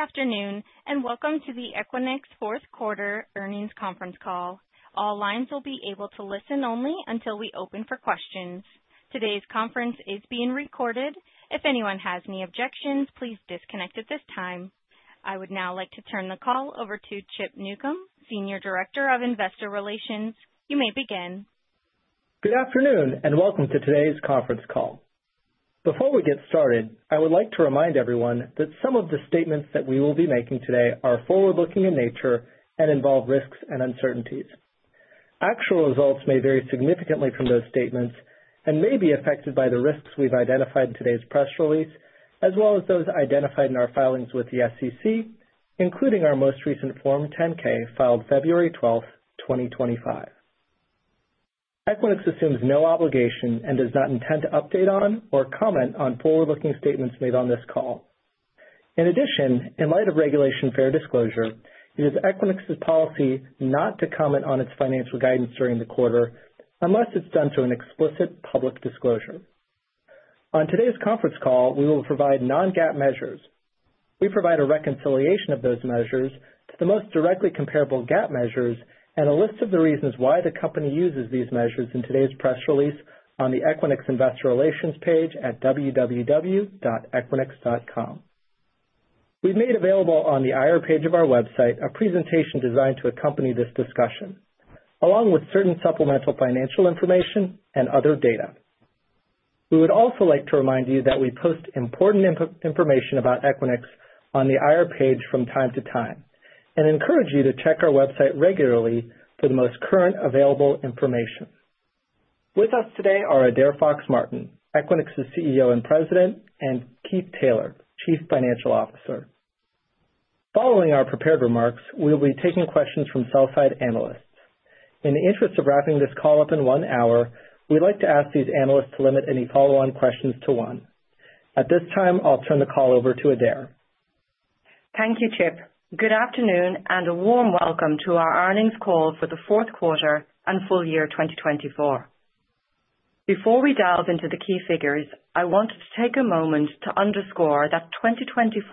Good afternoon and welcome to the Equinix Fourth Quarter Earnings Conference Call. All lines will be able to listen only until we open for questions. Today's conference is being recorded. If anyone has any objections, please disconnect at this time. I would now like to turn the call over to Chip Newcom, Senior Director of Investor Relations. You may begin. Good afternoon and welcome to today's conference call. Before we get started, I would like to remind everyone that some of the statements that we will be making today are forward-looking in nature and involve risks and uncertainties. Actual results may vary significantly from those statements and may be affected by the risks we've identified in today's press release, as well as those identified in our filings with the SEC, including our most recent Form 10-K filed February 12th, 2025. Equinix assumes no obligation and does not intend to update on or comment on forward-looking statements made on this call. In addition, in light of Regulation Fair Disclosure, it is Equinix's policy not to comment on its financial guidance during the quarter unless it's done to an explicit public disclosure. On today's conference call, we will provide non-GAAP measures. We provide a reconciliation of those measures to the most directly comparable GAAP measures and a list of the reasons why the company uses these measures in today's press release on the Equinix Investor Relations page at www.equinix.com. We've made available on the IR page of our website a presentation designed to accompany this discussion, along with certain supplemental financial information and other data. We would also like to remind you that we post important information about Equinix on the IR page from time to time and encourage you to check our website regularly for the most current available information. With us today are Adaire Fox-Martin, Equinix's CEO and President, and Keith Taylor, Chief Financial Officer. Following our prepared remarks, we will be taking questions from sell-side analysts. In the interest of wrapping this call up in one hour, we'd like to ask these analysts to limit any follow-on questions to one. At this time, I'll turn the call over to Adaire. Thank you, Chip. Good afternoon and a warm welcome to our earnings call for the fourth quarter and full year 2024. Before we delve into the key figures, I want to take a moment to underscore that 2024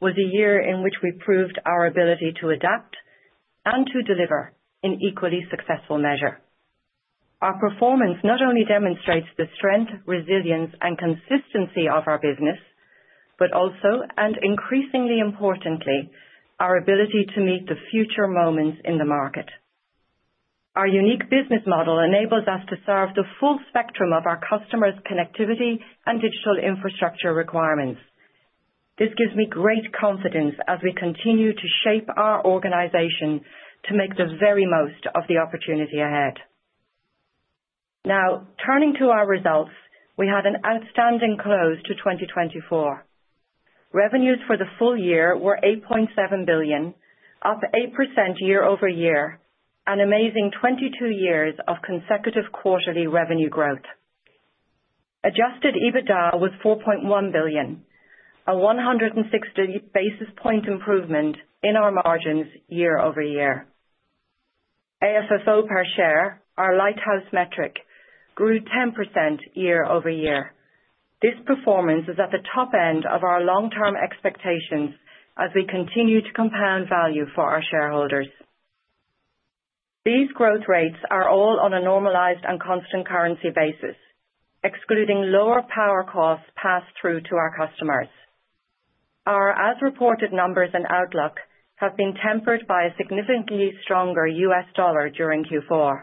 was a year in which we proved our ability to adapt and to deliver in equally successful measure. Our performance not only demonstrates the strength, resilience, and consistency of our business, but also, and increasingly importantly, our ability to meet the future moments in the market. Our unique business model enables us to serve the full spectrum of our customers' connectivity and digital infrastructure requirements. This gives me great confidence as we continue to shape our organization to make the very most of the opportunity ahead. Now, turning to our results, we had an outstanding close to 2024. Revenues for the full year were $8.7 billion, up 8% year over year, an amazing 22 years of consecutive quarterly revenue growth. Adjusted EBITDA was $4.1 billion, a 160 basis point improvement in our margins year over year. AFFO per share, our lighthouse metric, grew 10% year over year. This performance is at the top end of our long-term expectations as we continue to compound value for our shareholders. These growth rates are all on a normalized and constant currency basis, excluding lower power costs passed through to our customers. Our as-reported numbers and outlook have been tempered by a significantly stronger U.S. dollar during Q4.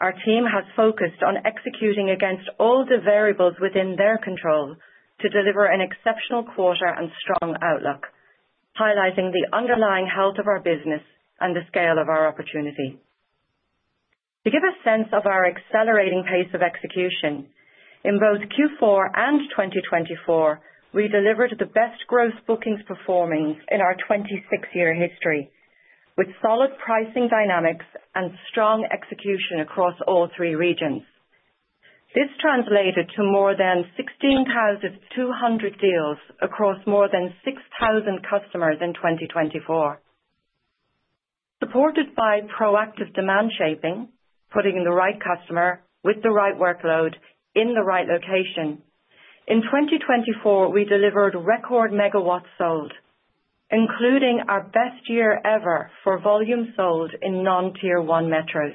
Our team has focused on executing against all the variables within their control to deliver an exceptional quarter and strong outlook, highlighting the underlying health of our business and the scale of our opportunity. To give a sense of our accelerating pace of execution, in both Q4 and 2024, we delivered the best gross bookings performing in our 26-year history, with solid pricing dynamics and strong execution across all three regions. This translated to more than 16,200 deals across more than 6,000 customers in 2024. Supported by proactive demand shaping, putting the right customer with the right workload in the right location, in 2024, we delivered record megawatts sold, including our best year ever for volume sold in non-Tier 1 metros.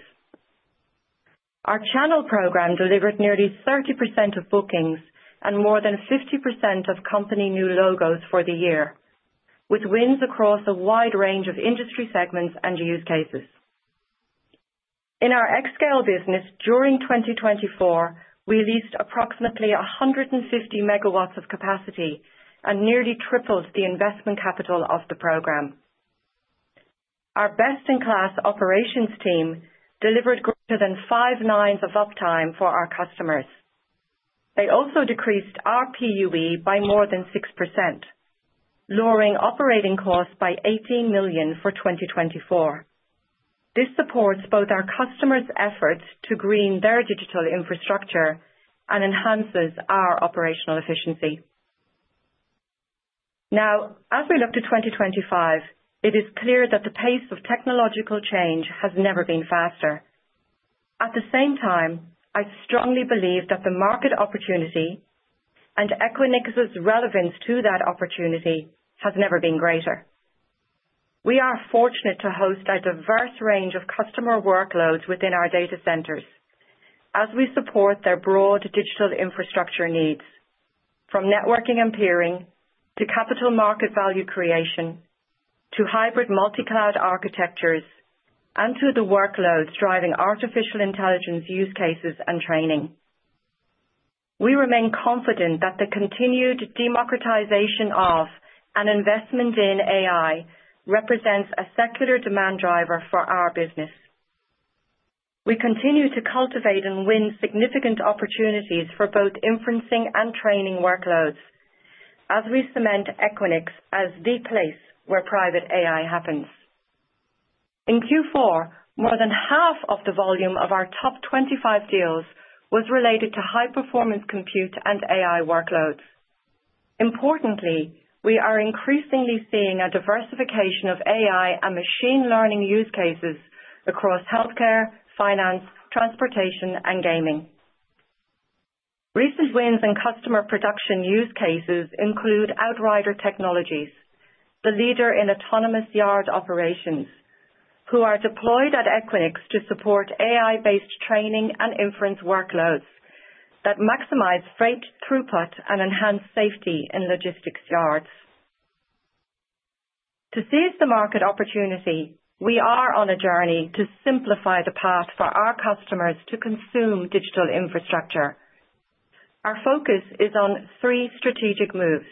Our channel program delivered nearly 30% of bookings and more than 50% of company new logos for the year, with wins across a wide range of industry segments and use cases. In our xScale business, during 2024, we leased approximately 150 megawatts of capacity and nearly tripled the investment capital of the program. Our best-in-class operations team delivered greater than five nines of uptime for our customers. They also decreased our PUE by more than 6%, lowering operating costs by $18 million for 2024. This supports both our customers' efforts to green their digital infrastructure and enhances our operational efficiency. Now, as we look to 2025, it is clear that the pace of technological change has never been faster. At the same time, I strongly believe that the market opportunity and Equinix's relevance to that opportunity has never been greater. We are fortunate to host a diverse range of customer workloads within our data centers as we support their broad digital infrastructure needs, from networking and peering to capital market value creation to hybrid multi-cloud architectures and to the workloads driving artificial intelligence use cases and training. We remain confident that the continued democratization of and investment in AI represents a secular demand driver for our business. We continue to cultivate and win significant opportunities for both inferencing and training workloads as we cement Equinix as the place where private AI happens. In Q4, more than half of the volume of our top 25 deals was related to high-performance compute and AI workloads. Importantly, we are increasingly seeing a diversification of AI and machine learning use cases across healthcare, finance, transportation, and gaming. Recent wins in customer production use cases include Outrider Technologies, the leader in autonomous yard operations, who are deployed at Equinix to support AI-based training and inference workloads that maximize freight throughput and enhance safety in logistics yards. To seize the market opportunity, we are on a journey to simplify the path for our customers to consume digital infrastructure. Our focus is on three strategic moves: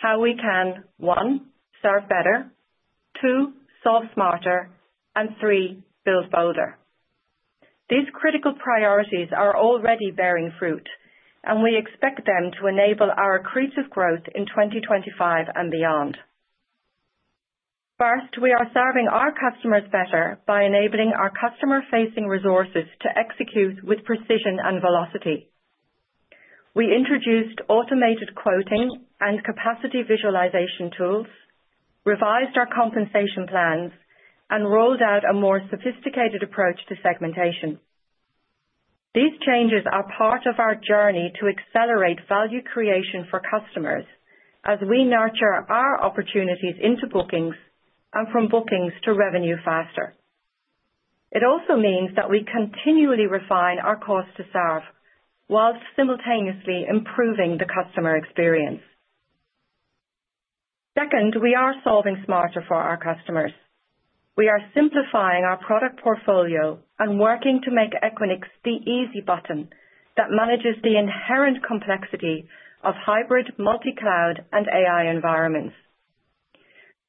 how we can, one, serve better, two, solve smarter, and three, build bolder. These critical priorities are already bearing fruit, and we expect them to enable our creative growth in 2025 and beyond. First, we are serving our customers better by enabling our customer-facing resources to execute with precision and velocity. We introduced automated quoting and capacity visualization tools, revised our compensation plans, and rolled out a more sophisticated approach to segmentation. These changes are part of our journey to accelerate value creation for customers as we nurture our opportunities into bookings and from bookings to revenue faster. It also means that we continually refine our cost to serve while simultaneously improving the customer experience. Second, we are solving smarter for our customers. We are simplifying our product portfolio and working to make Equinix the easy button that manages the inherent complexity of hybrid, multi-cloud, and AI environments.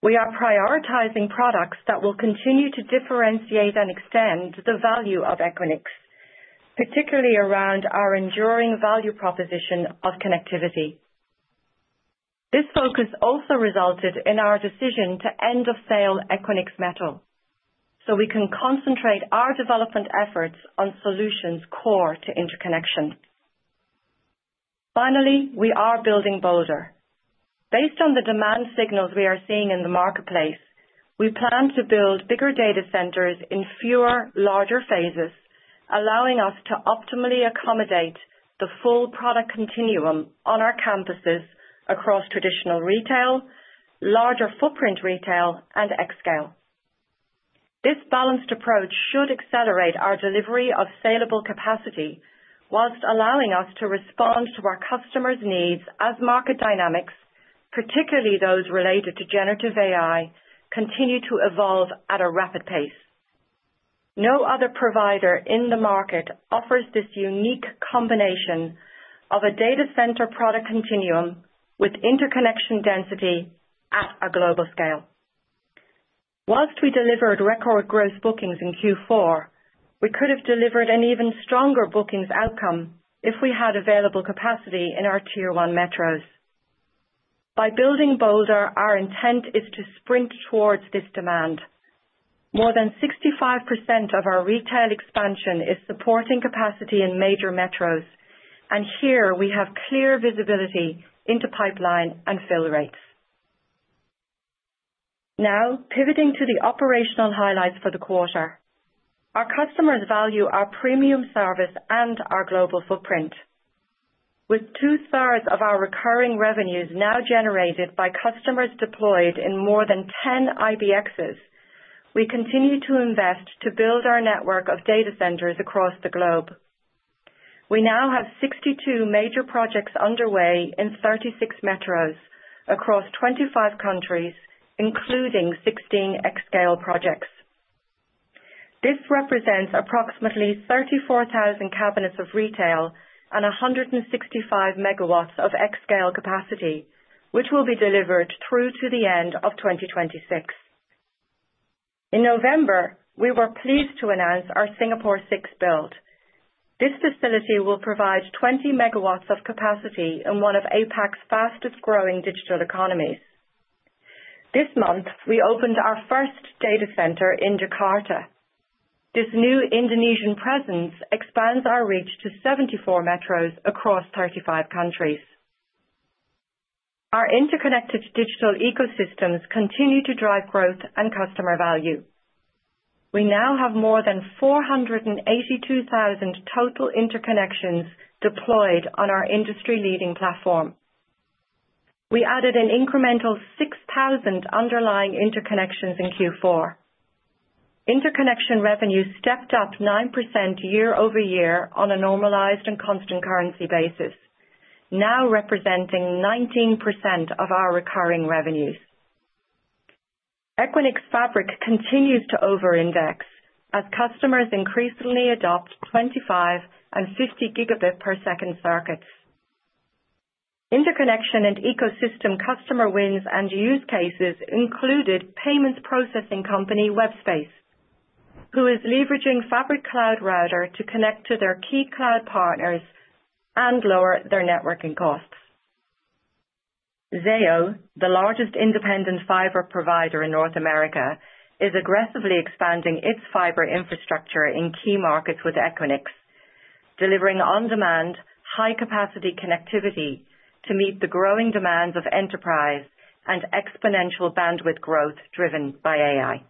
We are prioritizing products that will continue to differentiate and extend the value of Equinix, particularly around our enduring value proposition of connectivity. This focus also resulted in our decision to end of sale Equinix Metal, so we can concentrate our development efforts on solutions core to interconnection. Finally, we are building bolder. Based on the demand signals we are seeing in the marketplace, we plan to build bigger data centers in fewer, larger phases, allowing us to optimally accommodate the full product continuum on our campuses across traditional retail, larger footprint retail, and xScale. This balanced approach should accelerate our delivery of scalable capacity while allowing us to respond to our customers' needs as market dynamics, particularly those related to generative AI, continue to evolve at a rapid pace. No other provider in the market offers this unique combination of a data center product continuum with interconnection density at a global scale. While we delivered record gross bookings in Q4, we could have delivered an even stronger bookings outcome if we had available capacity in our Tier 1 metros. By building bolder, our intent is to sprint towards this demand. More than 65% of our retail expansion is supporting capacity in major metros, and here we have clear visibility into pipeline and fill rates. Now, pivoting to the operational highlights for the quarter, our customers value our premium service and our global footprint. With two-thirds of our recurring revenues now generated by customers deployed in more than 10 IBXs, we continue to invest to build our network of data centers across the globe. We now have 62 major projects underway in 36 metros across 25 countries, including 16 xScale projects. This represents approximately 34,000 cabinets of retail and 165 megawatts of xScale capacity, which will be delivered through to the end of 2026. In November, we were pleased to announce our Singapore Six Build. This facility will provide 20 megawatts of capacity in one of APAC's fastest-growing digital economies. This month, we opened our first data center in Jakarta. This new Indonesian presence expands our reach to 74 metros across 35 countries. Our interconnected digital ecosystems continue to drive growth and customer value. We now have more than 482,000 total interconnections deployed on our industry-leading platform. We added an incremental 6,000 underlying interconnections in Q4. Interconnection revenues stepped up 9% year over year on a normalized and constant currency basis, now representing 19% of our recurring revenues. Equinix Fabric continues to over-index as customers increasingly adopt 25 and 50 gigabit per second circuits. Interconnection and ecosystem customer wins and use cases included payments processing company Webspace, who is leveraging Fabric Cloud Router to connect to their key cloud partners and lower their networking costs. Zayo, the largest independent fiber provider in North America, is aggressively expanding its fiber infrastructure in key markets with Equinix, delivering on-demand, high-capacity connectivity to meet the growing demands of enterprise and exponential bandwidth growth driven by AI.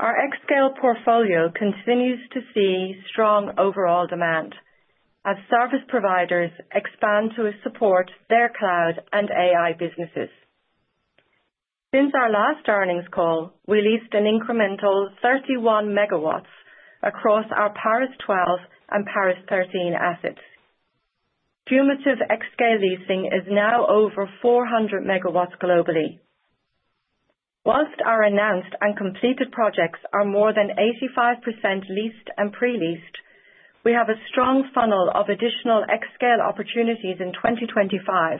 Our xScale portfolio continues to see strong overall demand as service providers expand to support their cloud and AI businesses. Since our last earnings call, we leased an incremental 31 megawatts across our Paris 12 and Paris 13 assets. Cumulative xScale leasing is now over 400 megawatts globally. While our announced and completed projects are more than 85% leased and pre-leased, we have a strong funnel of additional xScale opportunities in 2025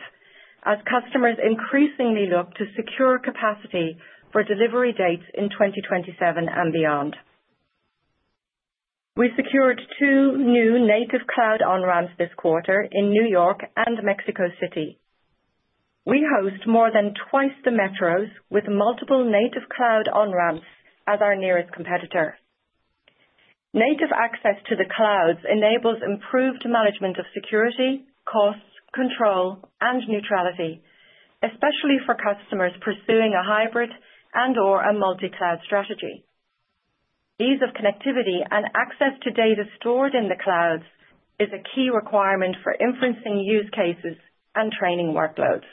as customers increasingly look to secure capacity for delivery dates in 2027 and beyond. We secured two new native cloud on-ramps this quarter in New York and Mexico City. We host more than twice the metros with multiple native cloud on-ramps as our nearest competitor. Native access to the clouds enables improved management of security, costs, control, and neutrality, especially for customers pursuing a hybrid and/or a multi-cloud strategy. Ease of connectivity and access to data stored in the clouds is a key requirement for inferencing use cases and training workloads.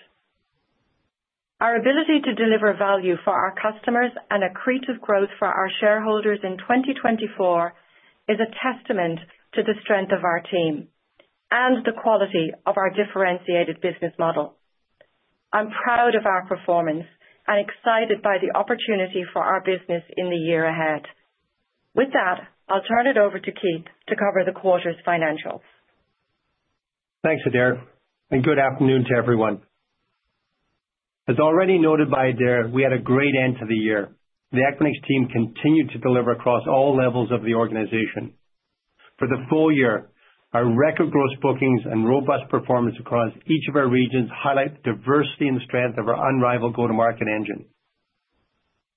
Our ability to deliver value for our customers and create growth for our shareholders in 2024 is a testament to the strength of our team and the quality of our differentiated business model. I'm proud of our performance and excited by the opportunity for our business in the year ahead. With that, I'll turn it over to Keith to cover the quarter's financials. Thanks, Adaire. And good afternoon to everyone. As already noted by Adaire, we had a great end to the year. The Equinix team continued to deliver across all levels of the organization. For the full year, our record gross bookings and robust performance across each of our regions highlight the diversity and strength of our unrivaled go-to-market engine.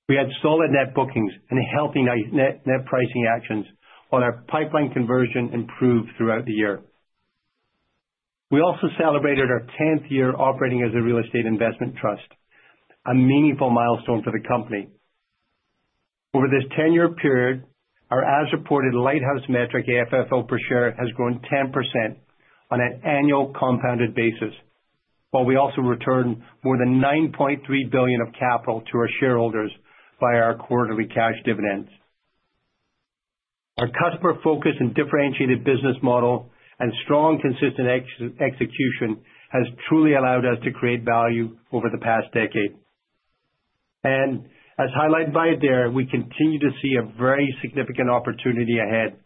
We had solid net bookings and healthy net pricing actions, while our pipeline conversion improved throughout the year. We also celebrated our 10th year operating as a real estate investment trust, a meaningful milestone for the company. Over this 10-year period, our as-reported lighthouse metric FFO per share has grown 10% on an annual compounded basis, while we also returned more than $9.3 billion of capital to our shareholders via our quarterly cash dividends. Our customer-focused and differentiated business model and strong, consistent execution have truly allowed us to create value over the past decade, and as highlighted by Adaire, we continue to see a very significant opportunity ahead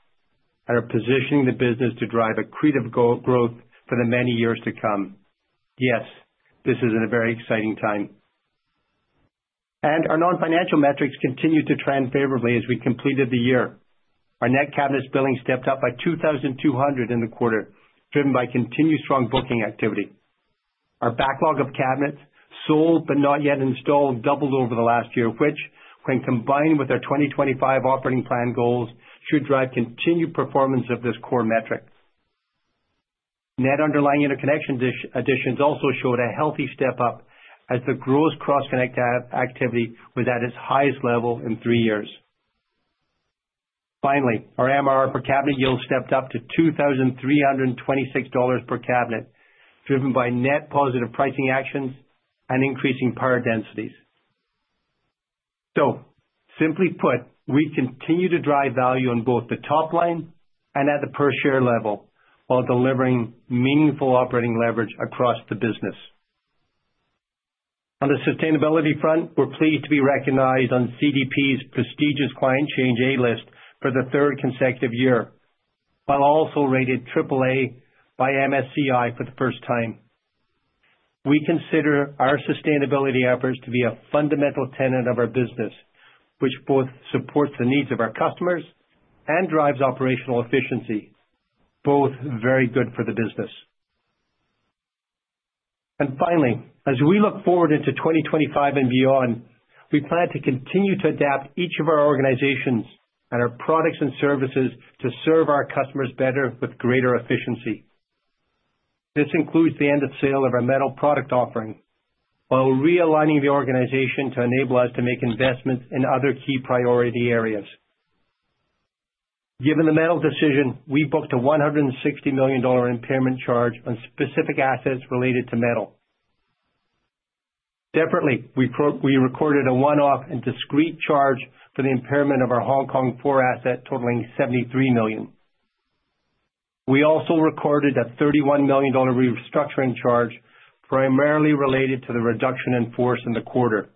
and are positioning the business to drive accretive growth for the many years to come. Yes, this is a very exciting time, and our non-financial metrics continued to trend favorably as we completed the year. Our net cabinet billing stepped up by 2,200 in the quarter, driven by continued strong booking activity. Our backlog of cabinets, sold but not yet installed, doubled over the last year, which, when combined with our 2025 operating plan goals, should drive continued performance of this core metric. Net underlying interconnection additions also showed a healthy step up as the gross cross-connect activity was at its highest level in three years. Finally, our MRR per cabinet yield stepped up to $2,326 per cabinet, driven by net positive pricing actions and increasing power densities. So, simply put, we continue to drive value on both the top line and at the per-share level while delivering meaningful operating leverage across the business. On the sustainability front, we're pleased to be recognized on CDP's prestigious Climate Change A List for the third consecutive year, while also rated AAA by MSCI for the first time. We consider our sustainability efforts to be a fundamental tenet of our business, which both supports the needs of our customers and drives operational efficiency, both very good for the business. And finally, as we look forward into 2025 and beyond, we plan to continue to adapt each of our organizations and our products and services to serve our customers better with greater efficiency. This includes the End of Sale of our Metal product offering, while realigning the organization to enable us to make investments in other key priority areas. Given the Metal decision, we booked a $160 million impairment charge on specific assets related to Metal. Separately, we recorded a one-off and discrete charge for the impairment of our Hong Kong 4 asset totaling $73 million. We also recorded a $31 million restructuring charge, primarily related to the reduction in force in the quarter.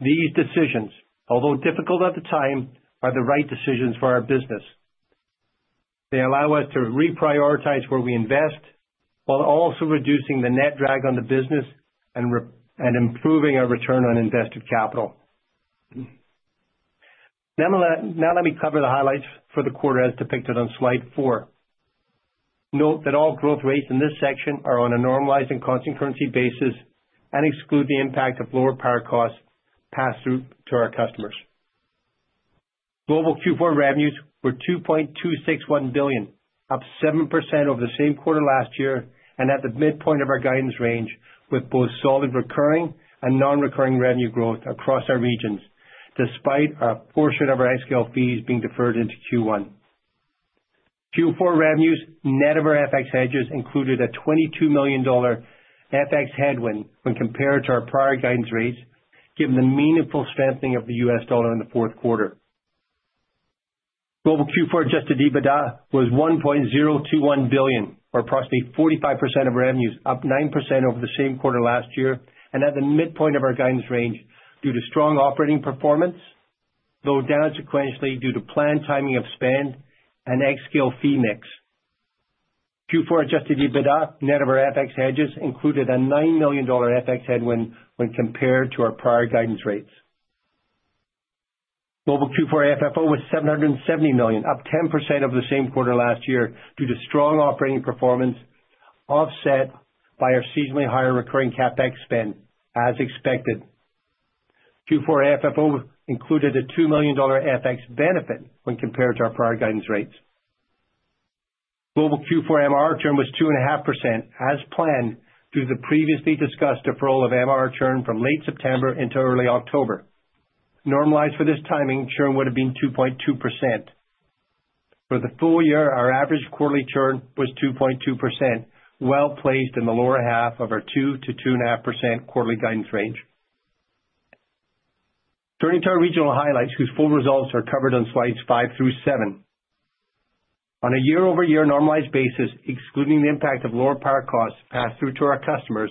These decisions, although difficult at the time, are the right decisions for our business. They allow us to reprioritize where we invest, while also reducing the net drag on the business and improving our return on invested capital. Now, let me cover the highlights for the quarter as depicted on slide four. Note that all growth rates in this section are on a normalized and constant currency basis and exclude the impact of lower power costs passed through to our customers. Global Q4 revenues were $2.261 billion, up 7% over the same quarter last year and at the midpoint of our guidance range, with both solid recurring and non-recurring revenue growth across our regions, despite a portion of our xScale fees being deferred into Q1. Q4 revenues, net of our FX hedges, included a $22 million FX headwind when compared to our prior guidance rates, given the meaningful strengthening of the U.S. dollar in the fourth quarter. Global Q4 adjusted EBITDA was $1.021 billion, or approximately 45% of revenues, up 9% over the same quarter last year and at the midpoint of our guidance range due to strong operating performance, though down sequentially due to planned timing of spend and xScale fee mix. Q4 adjusted EBITDA, net of our FX hedges, included a $9 million FX headwind when compared to our prior guidance rates. Global Q4 FFO was $770 million, up 10% over the same quarter last year due to strong operating performance offset by our seasonally higher recurring CapEx spend, as expected. Q4 FFO included a $2 million FX benefit when compared to our prior guidance rates. Global Q4 MRR churn was 2.5%, as planned, due to the previously discussed deferral of MRR churn from late September into early October. Normalized for this timing, churn would have been 2.2%. For the full year, our average quarterly churn was 2.2%, well placed in the lower half of our 2%-2.5% quarterly guidance range. Turning to our regional highlights, whose full results are covered on slides five through seven. On a year-over-year normalized basis, excluding the impact of lower power costs passed through to our customers,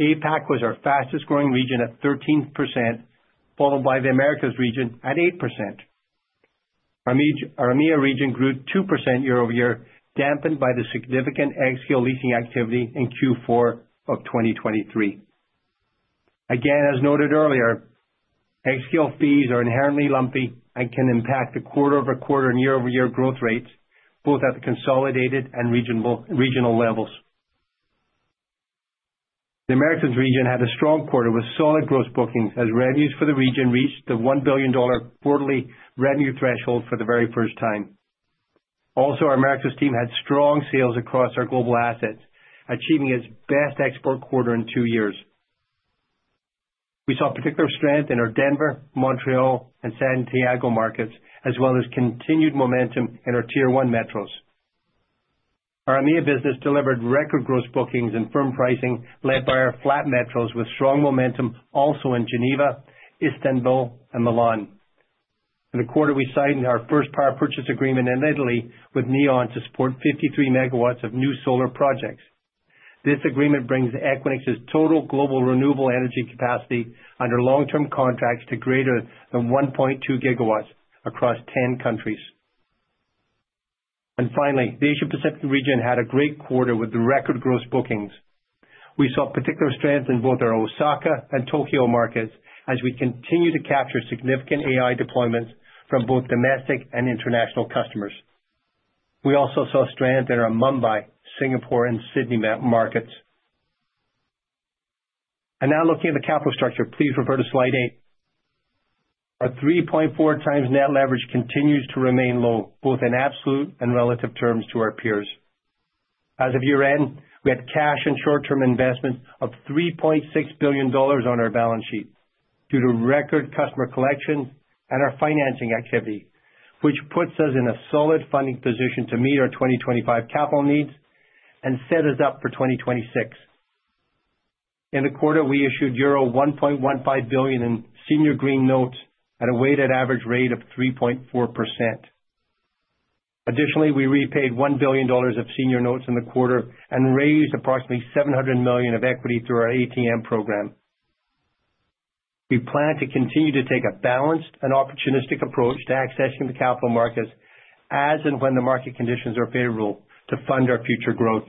APAC was our fastest-growing region at 13%, followed by the Americas region at 8%. Our EMEA region grew 2% year-over-year, dampened by the significant xScale leasing activity in Q4 of 2023. Again, as noted earlier, xScale fees are inherently lumpy and can impact the quarter-over-quarter and year-over-year growth rates, both at the consolidated and regional levels. The Americas region had a strong quarter with solid gross bookings as revenues for the region reached the $1 billion quarterly revenue threshold for the very first time. Also, our Americas team had strong sales across our global assets, achieving its best export quarter in two years. We saw particular strength in our Denver, Montreal, and Santiago markets, as well as continued momentum in our Tier 1 metros. Our EMEA business delivered record gross bookings and firm pricing led by our flagship metros with strong momentum also in Geneva, Istanbul, and Milan. In the quarter, we signed our first power purchase agreement in Italy with Neoen to support 53 megawatts of new solar projects. This agreement brings Equinix's total global renewable energy capacity under long-term contracts to greater than 1.2 gigawatts across 10 countries. And finally, the Asia-Pacific region had a great quarter with record gross bookings. We saw particular strength in both our Osaka and Tokyo markets as we continued to capture significant AI deployments from both domestic and international customers. We also saw strength in our Mumbai, Singapore, and Sydney markets. Now, looking at the capital structure, please refer to slide eight. Our 3.4 times net leverage continues to remain low, both in absolute and relative terms to our peers. As of year-end, we had cash and short-term investments of $3.6 billion on our balance sheet due to record customer collection and our financing activity, which puts us in a solid funding position to meet our 2025 capital needs and set us up for 2026. In the quarter, we issued euro 1.15 billion in senior green notes at a weighted average rate of 3.4%. Additionally, we repaid $1 billion of senior notes in the quarter and raised approximately $700 million of equity through our ATM program. We plan to continue to take a balanced and opportunistic approach to accessing the capital markets as and when the market conditions are favorable to fund our future growth.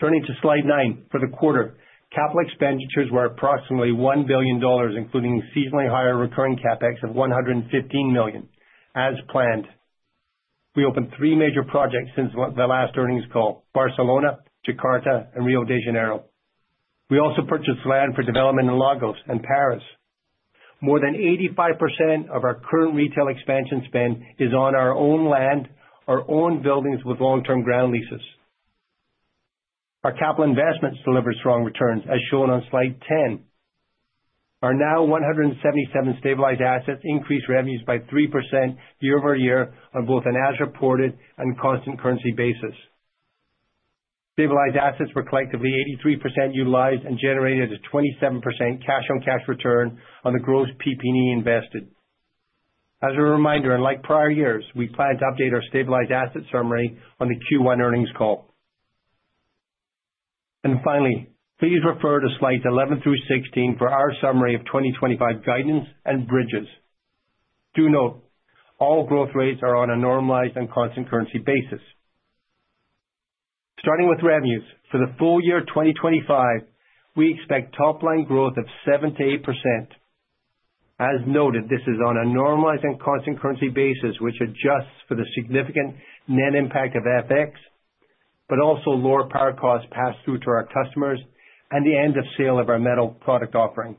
Turning to slide nine for the quarter, capital expenditures were approximately $1 billion, including seasonally higher recurring CapEx of $115 million, as planned. We opened three major projects since the last earnings call: Barcelona, Jakarta, and Rio de Janeiro. We also purchased land for development in Lagos and Paris. More than 85% of our current retail expansion spend is on our own land, our own buildings with long-term ground leases. Our capital investments delivered strong returns, as shown on slide 10. Our now 177 stabilized assets increased revenues by 3% year-over-year on both an as-reported and constant currency basis. Stabilized assets were collectively 83% utilized and generated a 27% cash-on-cash return on the gross PP&E invested. As a reminder, and like prior years, we plan to update our stabilized asset summary on the Q1 earnings call. And finally, please refer to slides 11 through 16 for our summary of 2025 guidance and bridges. Do note, all growth rates are on a normalized and constant currency basis. Starting with revenues, for the full year 2025, we expect top-line growth of 7%-8%. As noted, this is on a normalized and constant currency basis, which adjusts for the significant net impact of FX, but also lower power costs passed through to our customers and the end of sale of our metal product offering.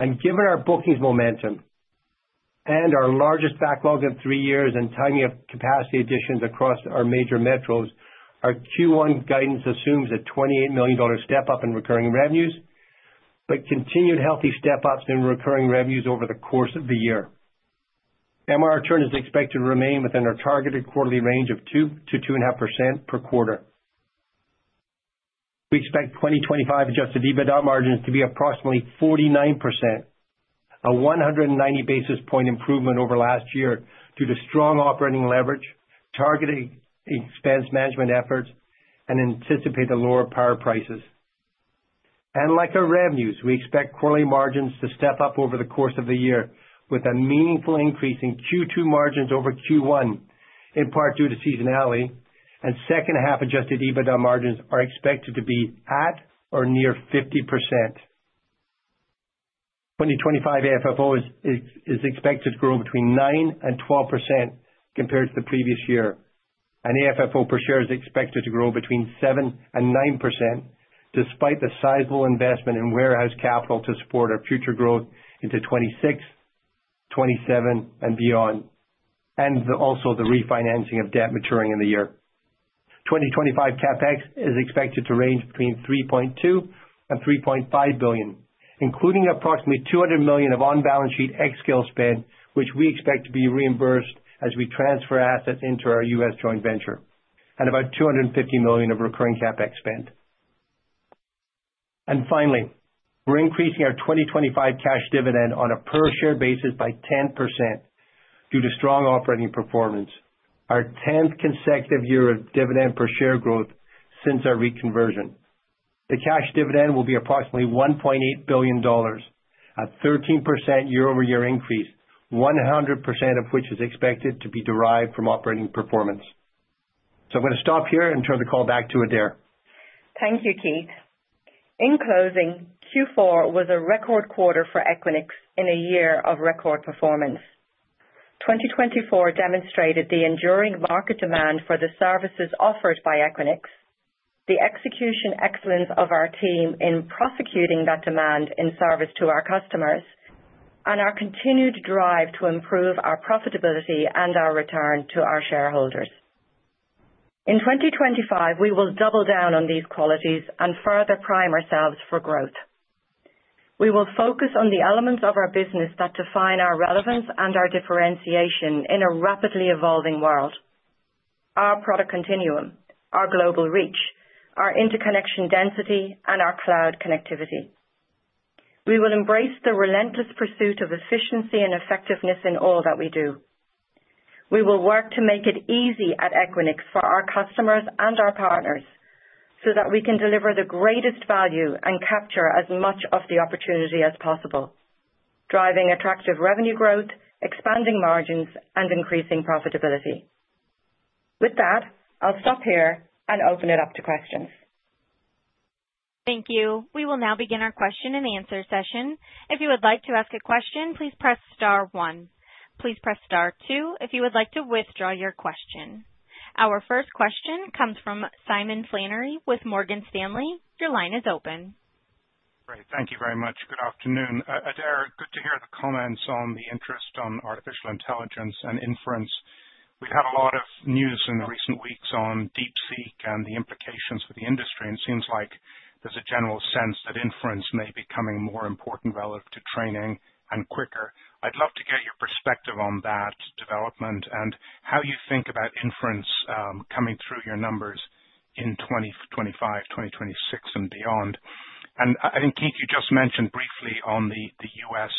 Given our bookings momentum and our largest backlog in three years and timing of capacity additions across our major metros, our Q1 guidance assumes a $28 million step-up in recurring revenues, but continued healthy step-ups in recurring revenues over the course of the year. MRR churn is expected to remain within our targeted quarterly range of 2%-2.5% per quarter. We expect 2025 Adjusted EBITDA margins to be approximately 49%, a 190 basis points improvement over last year due to strong operating leverage, targeted expense management efforts, and anticipated lower power prices. Like our revenues, we expect quarterly margins to step up over the course of the year, with a meaningful increase in Q2 margins over Q1, in part due to seasonality, and second-half Adjusted EBITDA margins are expected to be at or near 50%. 2025 AFFO is expected to grow between 9%-12% compared to the previous year. AFFO per share is expected to grow between 7%-9%, despite the sizable investment in warehouse capital to support our future growth into 2026, 2027, and beyond, and also the refinancing of debt maturing in the year. 2025 CapEx is expected to range between $3.2-$3.5 billion, including approximately $200 million of on-balance sheet xScale spend, which we expect to be reimbursed as we transfer assets into our US joint venture, and about $250 million of recurring CapEx spend. Finally, we're increasing our 2025 cash dividend on a per-share basis by 10% due to strong operating performance, our 10th consecutive year of dividend per share growth since our reconversion. The cash dividend will be approximately $1.8 billion, a 13% year-over-year increase, 100% of which is expected to be derived from operating performance. I am going to stop here and turn the call back to Adaire. Thank you, Keith. In closing, Q4 was a record quarter for Equinix in a year of record performance. 2024 demonstrated the enduring market demand for the services offered by Equinix, the execution excellence of our team in prosecuting that demand in service to our customers, and our continued drive to improve our profitability and our return to our shareholders. In 2025, we will double down on these qualities and further prime ourselves for growth. We will focus on the elements of our business that define our relevance and our differentiation in a rapidly evolving world: our product continuum, our global reach, our interconnection density, and our cloud connectivity. We will embrace the relentless pursuit of efficiency and effectiveness in all that we do. We will work to make it easy at Equinix for our customers and our partners so that we can deliver the greatest value and capture as much of the opportunity as possible, driving attractive revenue growth, expanding margins, and increasing profitability. With that, I'll stop here and open it up to questions. Thank you. We will now begin our question-and-answer session. If you would like to ask a question, please press star one. Please press star two if you would like to withdraw your question. Our first question comes from Simon Flannery with Morgan Stanley. Your line is open. Great. Thank you very much. Good afternoon. Adaire, good to hear the comments on the interest on artificial intelligence and inference. We've had a lot of news in the recent weeks on DeepSeek and the implications for the industry, and it seems like there's a general sense that inference may be becoming more important relative to training and quicker. I'd love to get your perspective on that development and how you think about inference coming through your numbers in 2025, 2026, and beyond. I think, Keith, you just mentioned briefly on the US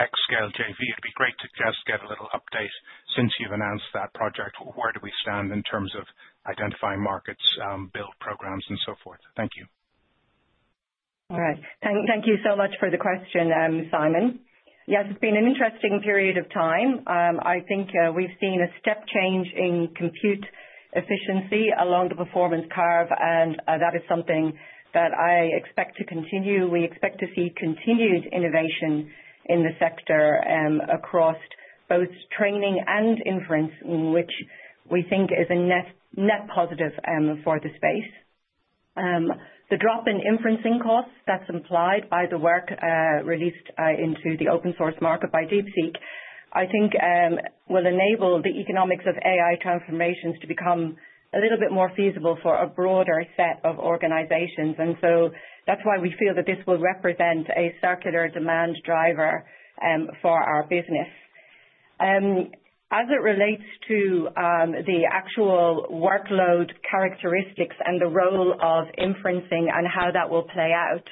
xScale JV. It'd be great to just get a little update since you've announced that project. Where do we stand in terms of identifying markets, build programs, and so forth? Thank you. All right. Thank you so much for the question, Simon. Yes, it's been an interesting period of time. I think we've seen a step change in compute efficiency along the performance curve, and that is something that I expect to continue. We expect to see continued innovation in the sector across both training and inference, which we think is a net positive for the space. The drop in inferencing costs that's implied by the work released into the open-source market by DeepSeek, I think, will enable the economics of AI transformations to become a little bit more feasible for a broader set of organizations. And so that's why we feel that this will represent a circular demand driver for our business. As it relates to the actual workload characteristics and the role of inferencing and how that will play out,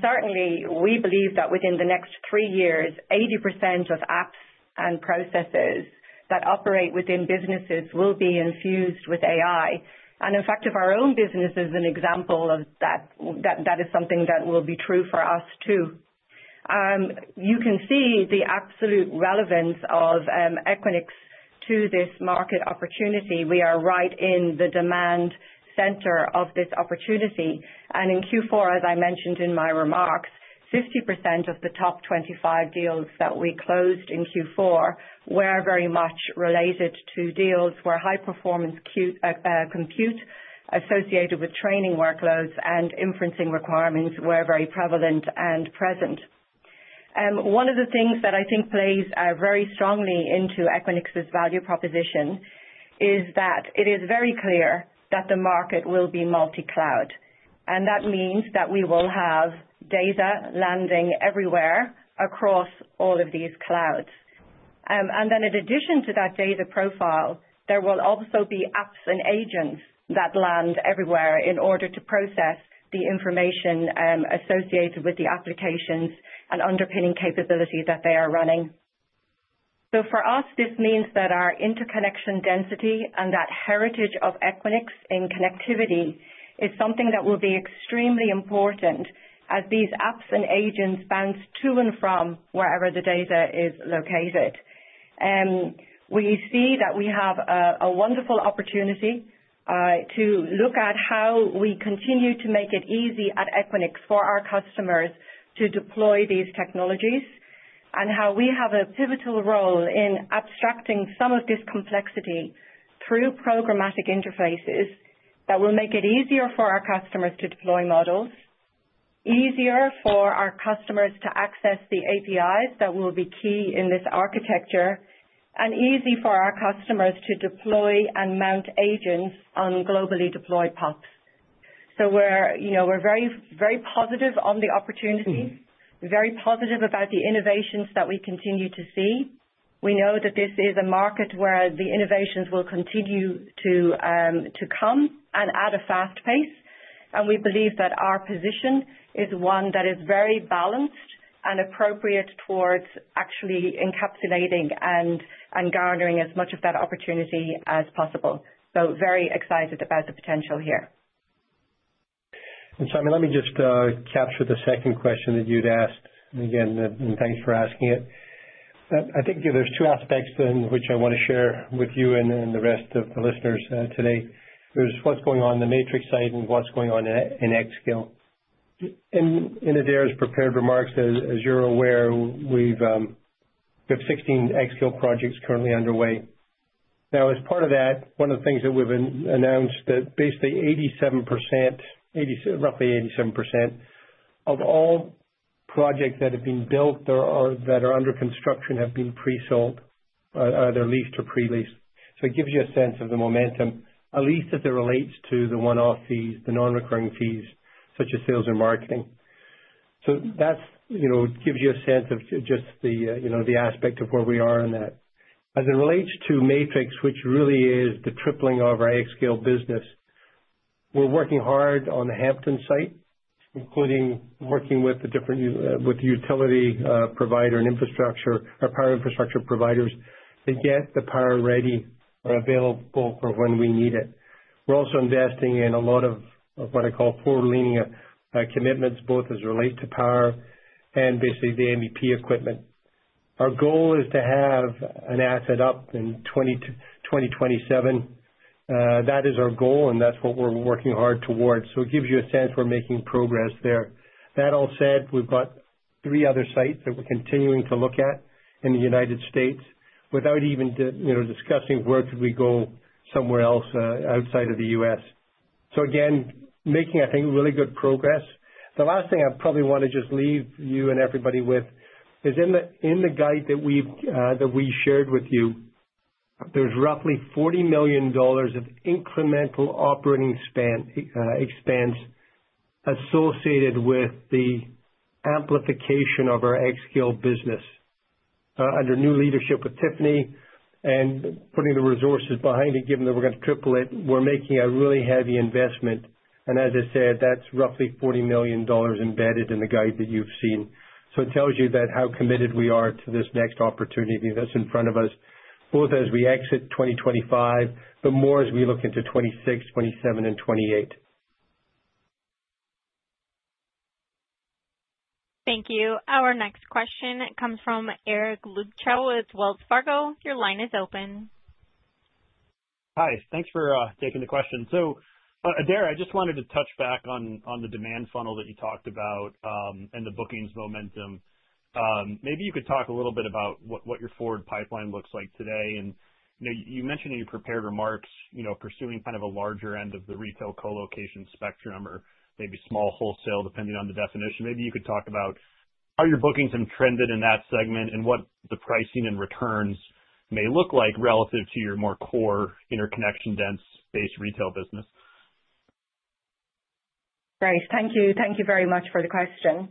certainly, we believe that within the next three years, 80% of apps and processes that operate within businesses will be infused with AI. And in fact, if our own business is an example of that, that is something that will be true for us too. You can see the absolute relevance of Equinix to this market opportunity. We are right in the demand center of this opportunity. And in Q4, as I mentioned in my remarks, 50% of the top 25 deals that we closed in Q4 were very much related to deals where high-performance compute associated with training workloads and inferencing requirements were very prevalent and present. One of the things that I think plays very strongly into Equinix's value proposition is that it is very clear that the market will be multi-cloud. And that means that we will have data landing everywhere across all of these clouds. And then, in addition to that data profile, there will also be apps and agents that land everywhere in order to process the information associated with the applications and underpinning capabilities that they are running. So for us, this means that our interconnection density and that heritage of Equinix in connectivity is something that will be extremely important as these apps and agents bounce to and from wherever the data is located. We see that we have a wonderful opportunity to look at how we continue to make it easy at Equinix for our customers to deploy these technologies and how we have a pivotal role in abstracting some of this complexity through programmatic interfaces that will make it easier for our customers to deploy models, easier for our customers to access the APIs that will be key in this architecture, and easy for our customers to deploy and mount agents on globally deployed PoPs. So we're very positive on the opportunities, very positive about the innovations that we continue to see. We know that this is a market where the innovations will continue to come and at a fast pace. And we believe that our position is one that is very balanced and appropriate towards actually encapsulating and garnering as much of that opportunity as possible. So very excited about the potential here. And Simon, let me just capture the second question that you'd asked. And again, thanks for asking it. I think there's two aspects in which I want to share with you and the rest of the listeners today. There's what's going on in the IBX side and what's going on in xScale. In Adaire's prepared remarks, as you're aware, we have 16 xScale projects currently underway. Now, as part of that, one of the things that we've announced that basically 87%, roughly 87% of all projects that have been built that are under construction have been pre-sold, either leased or pre-leased. So it gives you a sense of the momentum, at least as it relates to the one-off fees, the non-recurring fees, such as sales and marketing. So that gives you a sense of just the aspect of where we are in that. As it relates to xScale, which really is the tripling of our xScale business, we're working hard on the Hampton site, including working with the utility provider and infrastructure or power infrastructure providers to get the power ready or available for when we need it. We're also investing in a lot of what I call forward-leaning commitments, both as it relates to power and basically the MEP equipment. Our goal is to have an asset up in 2027. That is our goal, and that's what we're working hard towards. So it gives you a sense we're making progress there. That all said, we've got three other sites that we're continuing to look at in the United States. Without even discussing work, we go somewhere else outside of the U.S. So again, making, I think, really good progress. The last thing I probably want to just leave you and everybody with is in the guide that we shared with you, there's roughly $40 million of incremental operating expense associated with the amplification of our xScale business under new leadership with Tiffany and putting the resources behind it, given that we're going to triple it. We're making a really heavy investment. And as I said, that's roughly $40 million embedded in the guide that you've seen. So it tells you about how committed we are to this next opportunity that's in front of us, both as we exit 2025, but more as we look into 2026, 2027, and 2028. Thank you. Our next question comes from Eric Luebchow with Wells Fargo. Your line is open. Hi. Thanks for taking the question. So Adaire, I just wanted to touch back on the demand funnel that you talked about and the bookings momentum. Maybe you could talk a little bit about what your forward pipeline looks like today. And you mentioned in your prepared remarks pursuing kind of a larger end of the retail colocation spectrum or maybe small wholesale, depending on the definition. Maybe you could talk about how your bookings have trended in that segment and what the pricing and returns may look like relative to your more core interconnection dense-based retail business. Great. Thank you. Thank you very much for the question.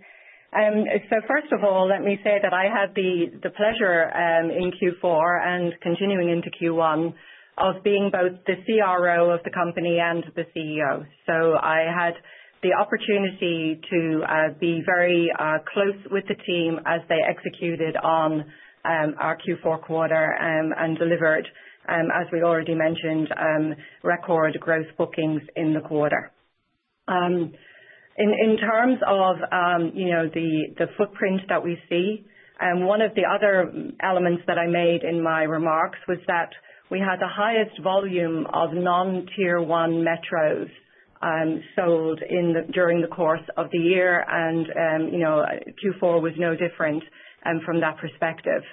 So first of all, let me say that I had the pleasure in Q4 and continuing into Q1 of being both the CRO of the company and the CEO. So I had the opportunity to be very close with the team as they executed on our Q4 quarter and delivered, as we already mentioned, record gross bookings in the quarter. In terms of the footprint that we see, one of the other elements that I made in my remarks was that we had the highest volume of non-Tier 1 metros sold during the course of the year, and Q4 was no different from that perspective.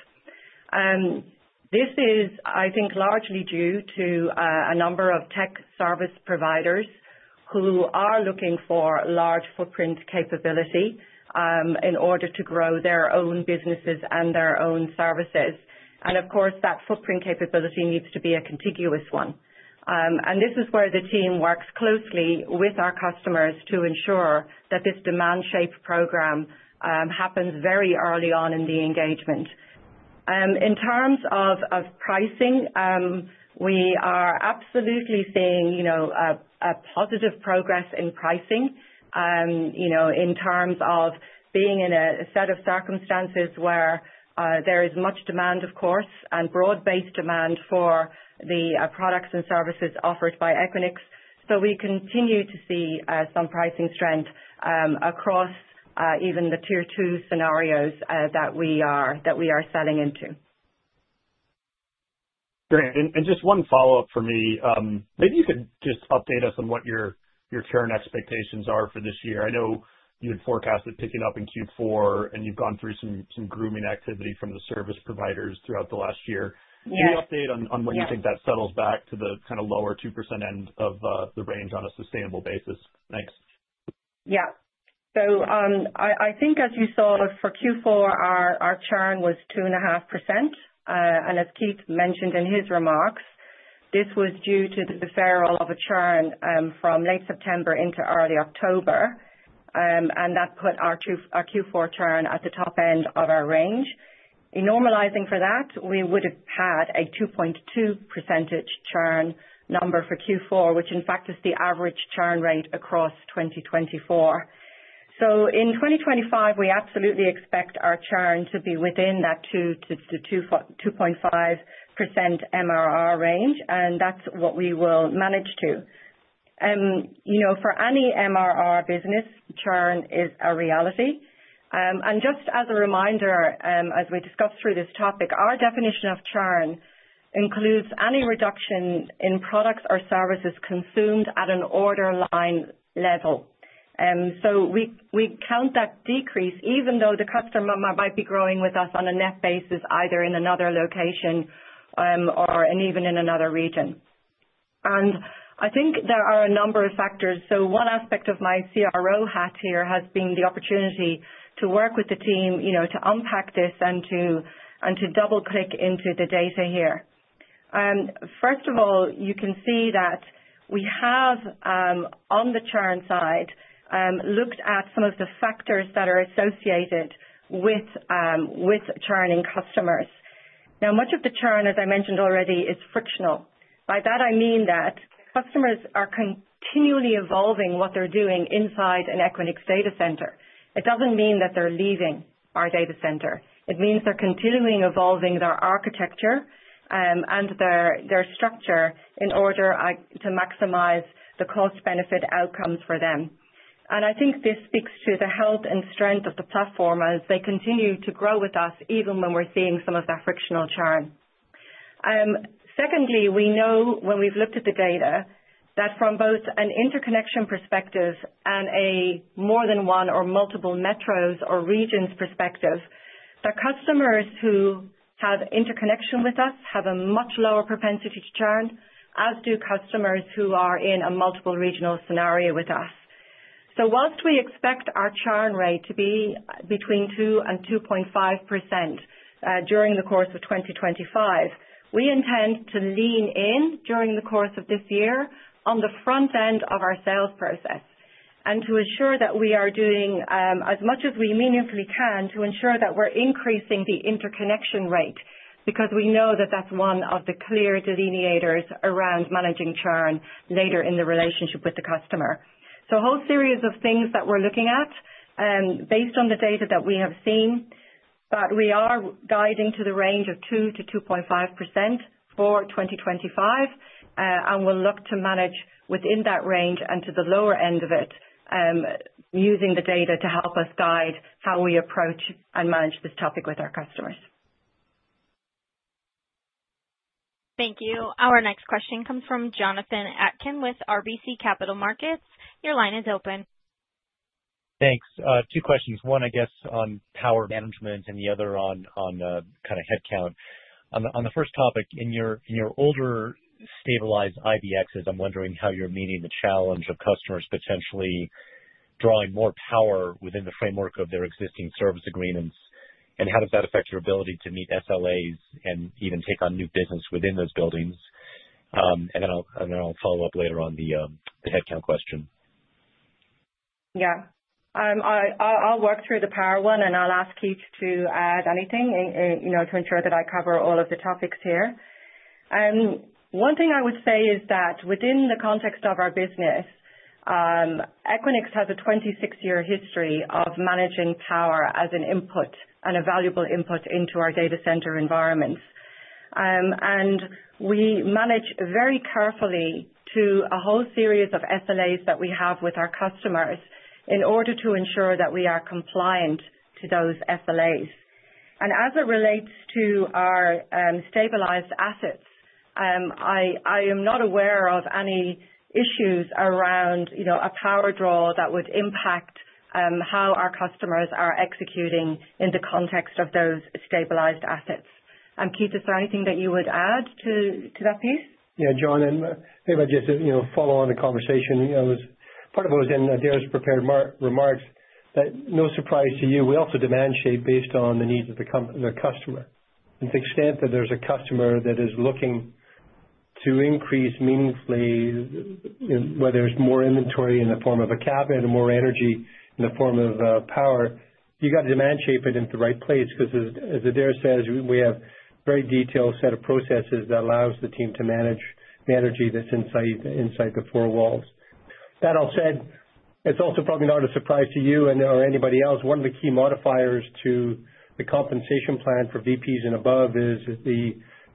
This is, I think, largely due to a number of tech service providers who are looking for large footprint capability in order to grow their own businesses and their own services. And of course, that footprint capability needs to be a contiguous one. And this is where the team works closely with our customers to ensure that this demand shape program happens very early on in the engagement. In terms of pricing, we are absolutely seeing a positive progress in pricing in terms of being in a set of circumstances where there is much demand, of course, and broad-based demand for the products and services offered by Equinix. So we continue to see some pricing strength across even the Tier 2 scenarios that we are selling into. Great. And just one follow-up for me. Maybe you could just update us on what your current expectations are for this year. I know you had forecasted picking up in Q4, and you've gone through some grooming activity from the service providers throughout the last year. Can you update on when you think that settles back to the kind of lower 2% end of the range on a sustainable basis? Thanks. Yeah. So I think, as you saw, for Q4, our churn was 2.5%. And as Keith mentioned in his remarks, this was due to the rollover of a churn from late September into early October. And that put our Q4 churn at the top end of our range. In normalizing for that, we would have had a 2.2% churn number for Q4, which, in fact, is the average churn rate across 2024. So in 2025, we absolutely expect our churn to be within that 2.5% MRR range, and that's what we will manage to. For any MRR business, churn is a reality. Just as a reminder, as we discussed through this topic, our definition of churn includes any reduction in products or services consumed at an order line level. We count that decrease even though the customer might be growing with us on a net basis, either in another location or even in another region. I think there are a number of factors. One aspect of my CRO hat here has been the opportunity to work with the team to unpack this and to double-click into the data here. First of all, you can see that we have, on the churn side, looked at some of the factors that are associated with churning customers. Now, much of the churn, as I mentioned already, is frictional. By that, I mean that customers are continually evolving what they're doing inside an Equinix data center. It doesn't mean that they're leaving our data center. It means they're continually evolving their architecture and their structure in order to maximize the cost-benefit outcomes for them. And I think this speaks to the health and strength of the platform as they continue to grow with us even when we're seeing some of that frictional churn. Secondly, we know, when we've looked at the data, that from both an interconnection perspective and a more than one or multiple metros or regions perspective, the customers who have interconnection with us have a much lower propensity to churn, as do customers who are in a multiple regional scenario with us. So while we expect our churn rate to be between 2% and 2.5% during the course of 2025, we intend to lean in during the course of this year on the front end of our sales process and to ensure that we are doing as much as we meaningfully can to ensure that we're increasing the interconnection rate because we know that that's one of the clear delineators around managing churn later in the relationship with the customer. So a whole series of things that we're looking at based on the data that we have seen, but we are guiding to the range of 2%-2.5% for 2025, and we'll look to manage within that range and to the lower end of it using the data to help us guide how we approach and manage this topic with our customers. Thank you. Our next question comes from Jonathan Atkin with RBC Capital Markets. Your line is open. Thanks. Two questions. One, I guess, on power management and the other on kind of headcount. On the first topic, in your older stabilized IBXs, I'm wondering how you're meeting the challenge of customers potentially drawing more power within the framework of their existing service agreements, and how does that affect your ability to meet SLAs and even take on new business within those buildings? And then I'll follow up later on the headcount question. Yeah. I'll work through the power one, and I'll ask Keith to add anything to ensure that I cover all of the topics here. One thing I would say is that within the context of our business, Equinix has a 26-year history of managing power as an input and a valuable input into our data center environments. We manage very carefully to a whole series of SLAs that we have with our customers in order to ensure that we are compliant to those SLAs. As it relates to our stabilized assets, I am not aware of any issues around a power draw that would impact how our customers are executing in the context of those stabilized assets. Keith, is there anything that you would add to that piece? Yeah, John, and maybe I just follow on the conversation. Part of what was in Adaire's prepared remarks, but no surprise to you, we also demand shape based on the needs of the customer. To the extent that there's a customer that is looking to increase meaningfully, whether it's more inventory in the form of a cabinet or more energy in the form of power, you got to demand shape it into the right place because, as Adair says, we have a very detailed set of processes that allows the team to manage the energy that's inside the four walls. That all said, it's also probably not a surprise to you or anybody else. One of the key modifiers to the compensation plan for VPs and above is the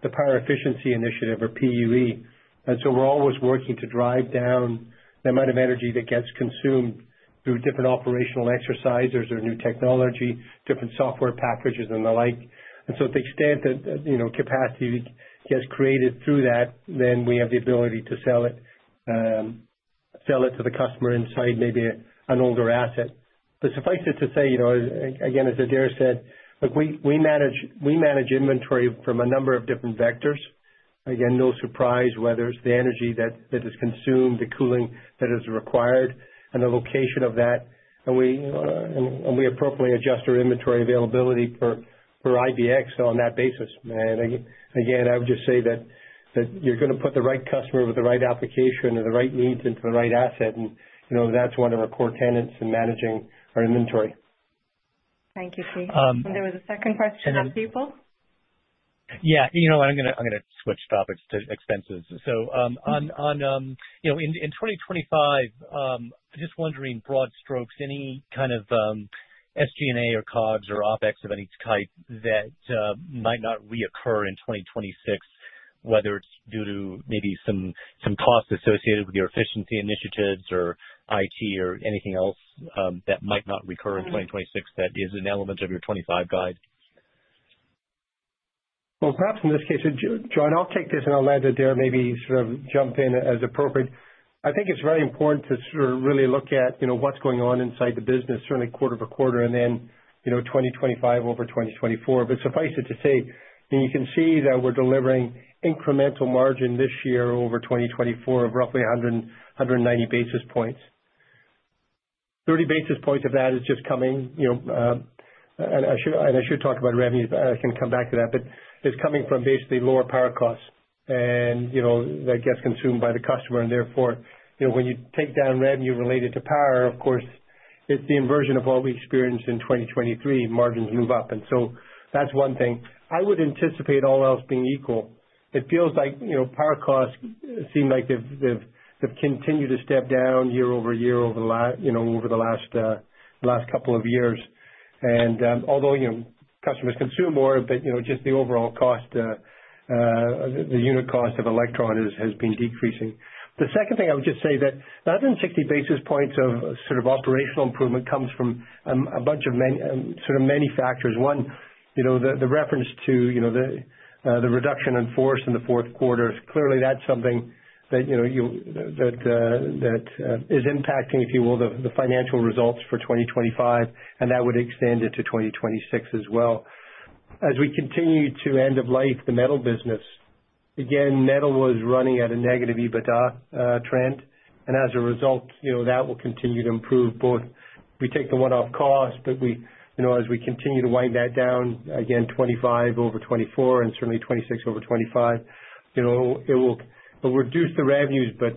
power efficiency initiative or PUE. And so we're always working to drive down the amount of energy that gets consumed through different operational exercises or new technology, different software packages, and the like. To the extent that capacity gets created through that, then we have the ability to sell it to the customer inside maybe an older asset. But suffice it to say, again, as Adaire said, we manage inventory from a number of different vectors. Again, no surprise, whether it's the energy that is consumed, the cooling that is required, and the location of that. We appropriately adjust our inventory availability per IBX on that basis. Again, I would just say that you're going to put the right customer with the right application and the right needs into the right asset. That's one of our core tenets in managing our inventory. Thank you, Keith. There was a second question on people. Yeah. I'm going to switch topics to expenses. So in 2025, just wondering, broad strokes, any kind of SG&A or COGS or OPEX of any type that might not reoccur in 2026, whether it's due to maybe some costs associated with your efficiency initiatives or IT or anything else that might not recur in 2026 that is an element of your '25 guide? Well, perhaps in this case, John, I'll take this and I'll let Adaire maybe sort of jump in as appropriate. I think it's very important to really look at what's going on inside the business, certainly quarter to quarter, and then 2025 over 2024. But suffice it to say, you can see that we're delivering incremental margin this year over 2024 of roughly 190 basis points. 30 basis points of that is just coming. And I should talk about revenue. I can come back to that. But it's coming from basically lower power costs, and that gets consumed by the customer. And therefore, when you take down revenue related to power, of course, it's the inversion of what we experienced in 2023. Margins move up. And so that's one thing. I would anticipate all else being equal. It feels like power costs seem like they've continued to step down year over year over the last couple of years. And although customers consume more, but just the overall cost, the unit cost of electron has been decreasing. The second thing I would just say that 160 basis points of sort of operational improvement comes from a bunch of sort of many factors. One, the reference to the reduction in force in the fourth quarter. Clearly, that's something that is impacting, if you will, the financial results for 2025, and that would extend into 2026 as well. As we continue to end of life the Equinix Metal business, again, Equinix Metal was running at a negative EBITDA trend. And as a result, that will continue to improve both. We take the one-off cost, but as we continue to wind that down, again, 2025 over 2024, and certainly 2026 over 2025, it will reduce the revenues, but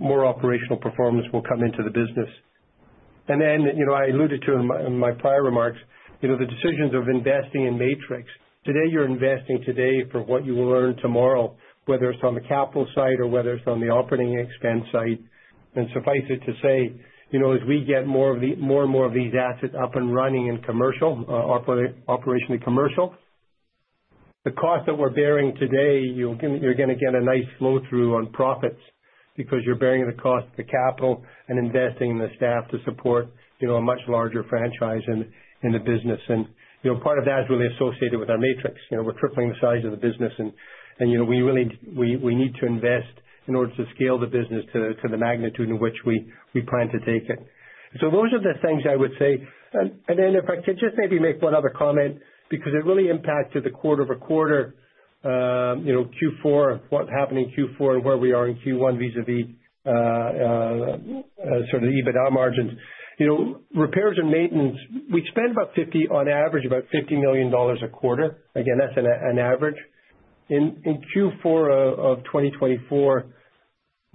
more operational performance will come into the business. And then I alluded to in my prior remarks, the decisions of investing in metrics. Today, you're investing today for what you will earn tomorrow, whether it's on the capital side or whether it's on the operating expense side. And suffice it to say, as we get more and more of these assets up and running and operationally commercial, the cost that we're bearing today, you're going to get a nice flow-through on profits because you're bearing the cost of the capital and investing in the staff to support a much larger franchise in the business. And part of that is really associated with our xScale. We're tripling the size of the business, and we need to invest in order to scale the business to the magnitude in which we plan to take it. So those are the things I would say. And then, if I could just maybe make one other comment because it really impacted the quarter to quarter, what's happening in Q4 and where we are in Q1 vis-à-vis sort of the EBITDA margins. Repairs and maintenance, we spend about $50 million, on average, about $50 million a quarter. Again, that's an average. In Q4 of 2024,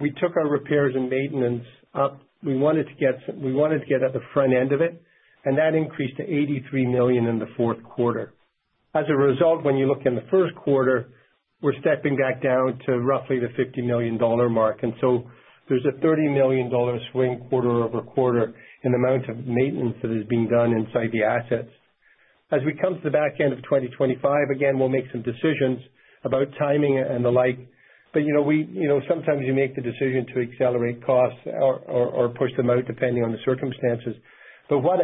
we took our repairs and maintenance up. We wanted to get at the front end of it, and that increased to $83 million in the fourth quarter. As a result, when you look in the first quarter, we're stepping back down to roughly the $50 million mark. And so there's a $30 million swing quarter over quarter in the amount of maintenance that is being done inside the assets. As we come to the back end of 2025, again, we'll make some decisions about timing and the like. But sometimes you make the decision to accelerate costs or push them out depending on the circumstances. But what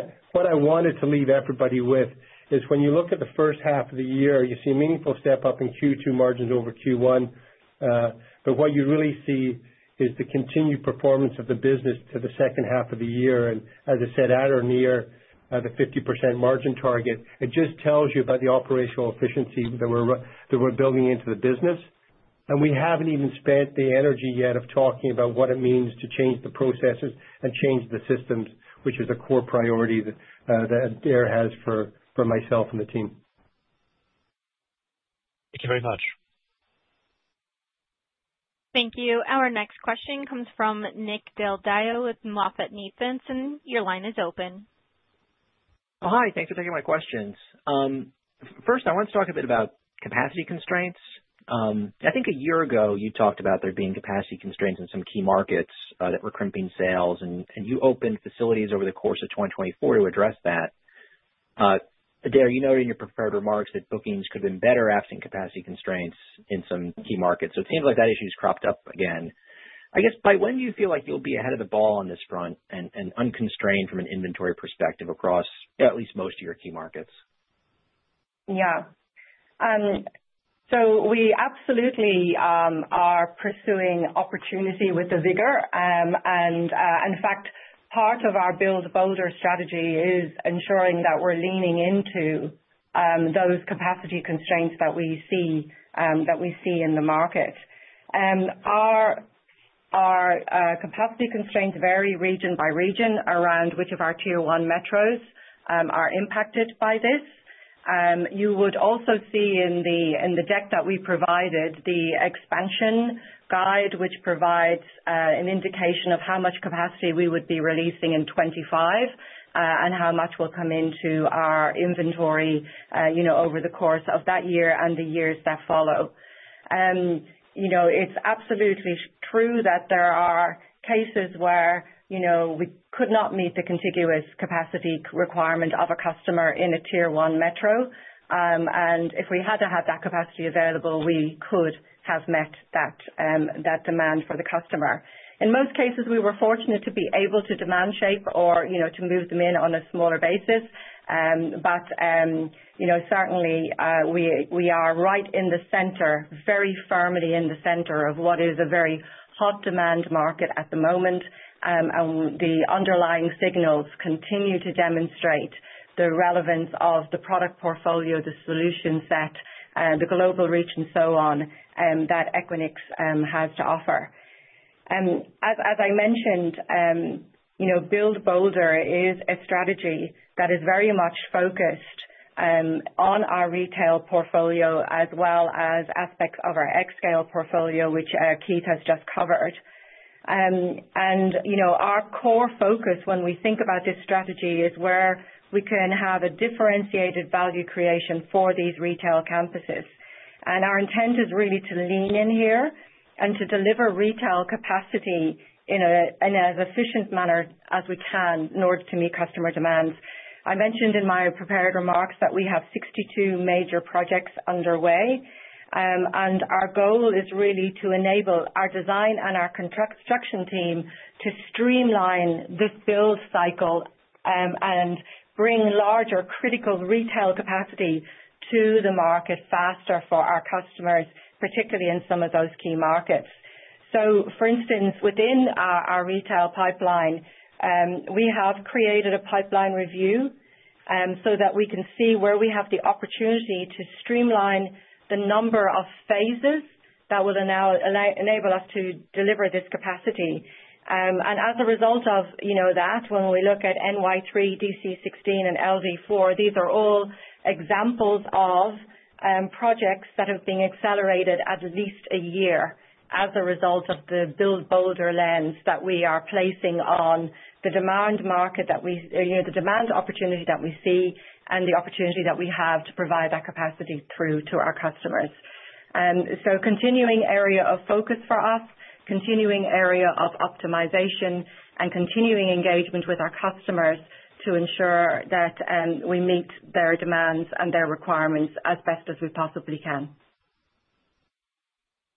I wanted to leave everybody with is when you look at the first half of the year, you see a meaningful step up in Q2 margins over Q1. But what you really see is the continued performance of the business to the second half of the year. And as I said, at or near the 50% margin target, it just tells you about the operational efficiency that we're building into the business. And we haven't even spent the energy yet of talking about what it means to change the processes and change the systems, which is a core priority that Adaire has for myself and the team. Thank you very much. Thank you. Our next question comes from Nick Del Deo with MoffettNathanson. Your line is open. Hi. Thanks for taking my questions. First, I want to talk a bit about capacity constraints. I think a year ago, you talked about there being capacity constraints in some key markets that were crimping sales, and you opened facilities over the course of 2024 to address that. Adaire, you noted in your prepared remarks that bookings could have been better after capacity constraints in some key markets. So it seems like that issue has cropped up again. I guess, by when do you feel like you'll be ahead of the ball on this front and unconstrained from an inventory perspective across at least most of your key markets? Yeah. So we absolutely are pursuing opportunity with the vigor. And in fact, part of our Build Bolder strategy is ensuring that we're leaning into those capacity constraints that we see in the market. Our capacity constraints vary region by region around which of our Tier 1 metros are impacted by this. You would also see in the deck that we provided the expansion guide, which provides an indication of how much capacity we would be releasing in 2025 and how much will come into our inventory over the course of that year and the years that follow. It's absolutely true that there are cases where we could not meet the contiguous capacity requirement of a customer in a Tier 1 metro. And if we had to have that capacity available, we could have met that demand for the customer. In most cases, we were fortunate to be able to demand shape or to move them in on a smaller basis. But certainly, we are right in the center, very firmly in the center of what is a very hot demand market at the moment. And the underlying signals continue to demonstrate the relevance of the product portfolio, the solution set, the global reach, and so on that Equinix has to offer. As I mentioned, build-buy is a strategy that is very much focused on our retail portfolio as well as aspects of our xScale portfolio, which Keith has just covered. And our core focus when we think about this strategy is where we can have a differentiated value creation for these retail campuses. And our intent is really to lean in here and to deliver retail capacity in as efficient a manner as we can in order to meet customer demands. I mentioned in my prepared remarks that we have 62 major projects underway. Our goal is really to enable our design and our construction team to streamline this build cycle and bring larger critical retail capacity to the market faster for our customers, particularly in some of those key markets. For instance, within our retail pipeline, we have created a pipeline review so that we can see where we have the opportunity to streamline the number of phases that will enable us to deliver this capacity. As a result of that, when we look at NY3, DC16, and LV4, these are all examples of projects that have been accelerated at least a year as a result of the build-builder lens that we are placing on the demand market, the demand opportunity that we see, and the opportunity that we have to provide that capacity through to our customers. Continuing area of focus for us, continuing area of optimization, and continuing engagement with our customers to ensure that we meet their demands and their requirements as best as we possibly can.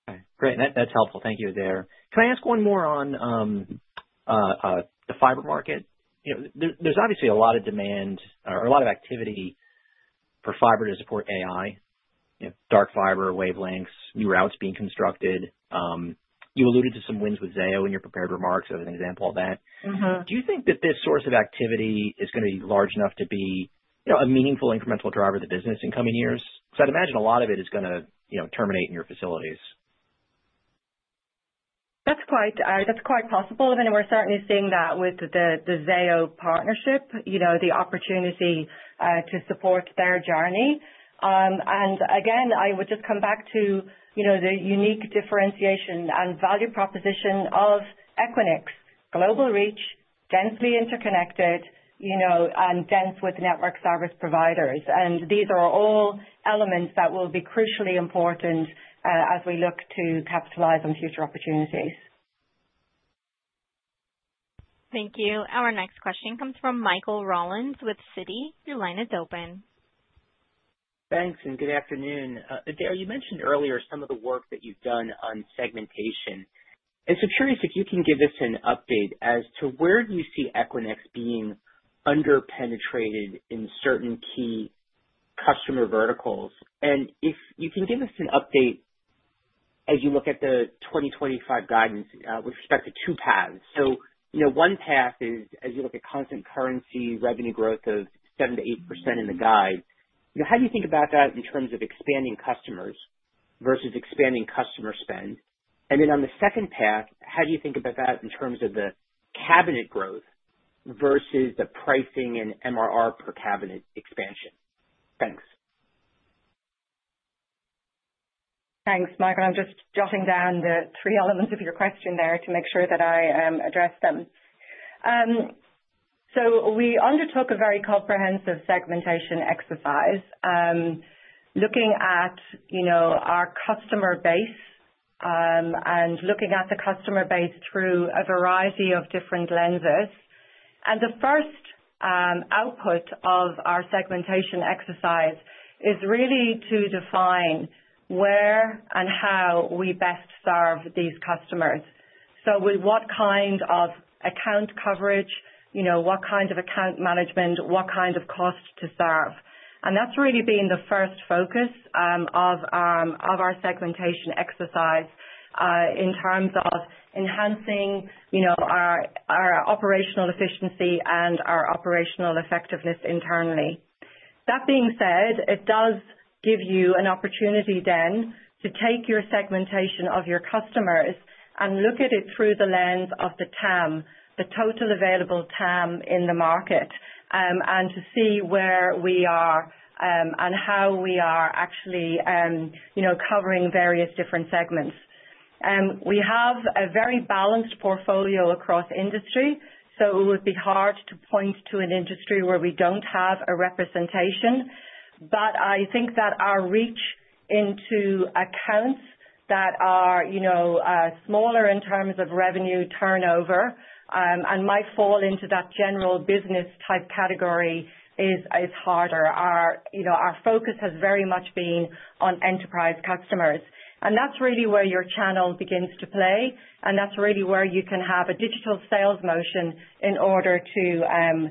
Okay. Great. That's helpful. Thank you, Adaire. Can I ask one more on the fiber market? There's obviously a lot of demand or a lot of activity for fiber to support AI, dark fiber wavelengths, new routes being constructed. You alluded to some wins with Zayo in your prepared remarks as an example of that. Do you think that this source of activity is going to be large enough to be a meaningful incremental driver of the business in coming years? Because I'd imagine a lot of it is going to terminate in your facilities. That's quite possible. I mean, we're certainly seeing that with the Zayo partnership, the opportunity to support their journey. And again, I would just come back to the unique differentiation and value proposition of Equinix: global reach, densely interconnected, and dense with network service providers. And these are all elements that will be crucially important as we look to capitalize on future opportunities. Thank you. Our next question comes from Michael Rollins with Citi. Your line is open. Thanks, and good afternoon. Adaire, you mentioned earlier some of the work that you've done on segmentation. And so curious if you can give us an update as to where do you see Equinix being underpenetrated in certain key customer verticals. And if you can give us an update as you look at the 2025 guidance with respect to two paths. So one path is, as you look at constant currency revenue growth of 7%-8% in the guide. How do you think about that in terms of expanding customers versus expanding customer spend? And then on the second path, how do you think about that in terms of the cabinet growth versus the pricing and MRR per cabinet expansion? Thanks. Thanks, Michael. I'm just jotting down the three elements of your question there to make sure that I address them. So we undertook a very comprehensive segmentation exercise looking at our customer base and looking at the customer base through a variety of different lenses. And the first output of our segmentation exercise is really to define where and how we best serve these customers. So with what kind of account coverage, what kind of account management, what kind of cost to serve. And that's really been the first focus of our segmentation exercise in terms of enhancing our operational efficiency and our operational effectiveness internally. That being said, it does give you an opportunity then to take your segmentation of your customers and look at it through the lens of the TAM, the total available TAM in the market, and to see where we are and how we are actually covering various different segments. We have a very balanced portfolio across industry, so it would be hard to point to an industry where we don't have a representation. But I think that our reach into accounts that are smaller in terms of revenue turnover and might fall into that general business type category is harder. Our focus has very much been on enterprise customers, and that's really where your channel begins to play, and that's really where you can have a digital sales motion in order to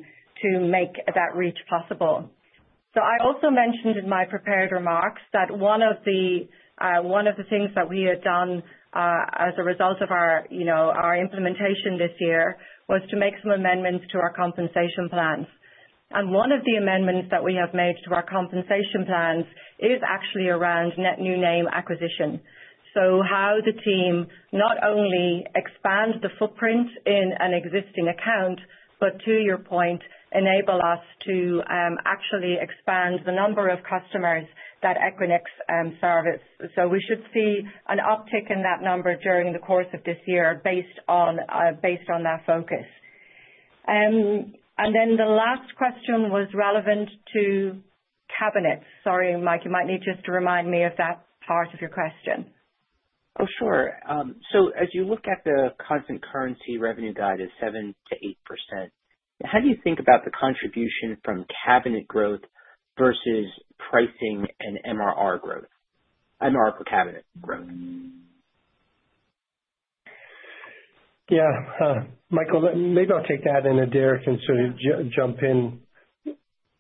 make that reach possible. So I also mentioned in my prepared remarks that one of the things that we had done as a result of our implementation this year was to make some amendments to our compensation plans. And one of the amendments that we have made to our compensation plans is actually around net new name acquisition. So how the team not only expand the footprint in an existing account, but to your point, enable us to actually expand the number of customers that Equinix service. So we should see an uptick in that number during the course of this year based on that focus. And then the last question was relevant to cabinets. Sorry, Mike, you might need just to remind me of that part of your question. Oh, sure. As you look at the constant currency revenue guide as 7%-8%, how do you think about the contribution from cabinet growth versus pricing and MRR per cabinet growth? Yeah. Michael, maybe I'll take that, and Adaire can sort of jump in.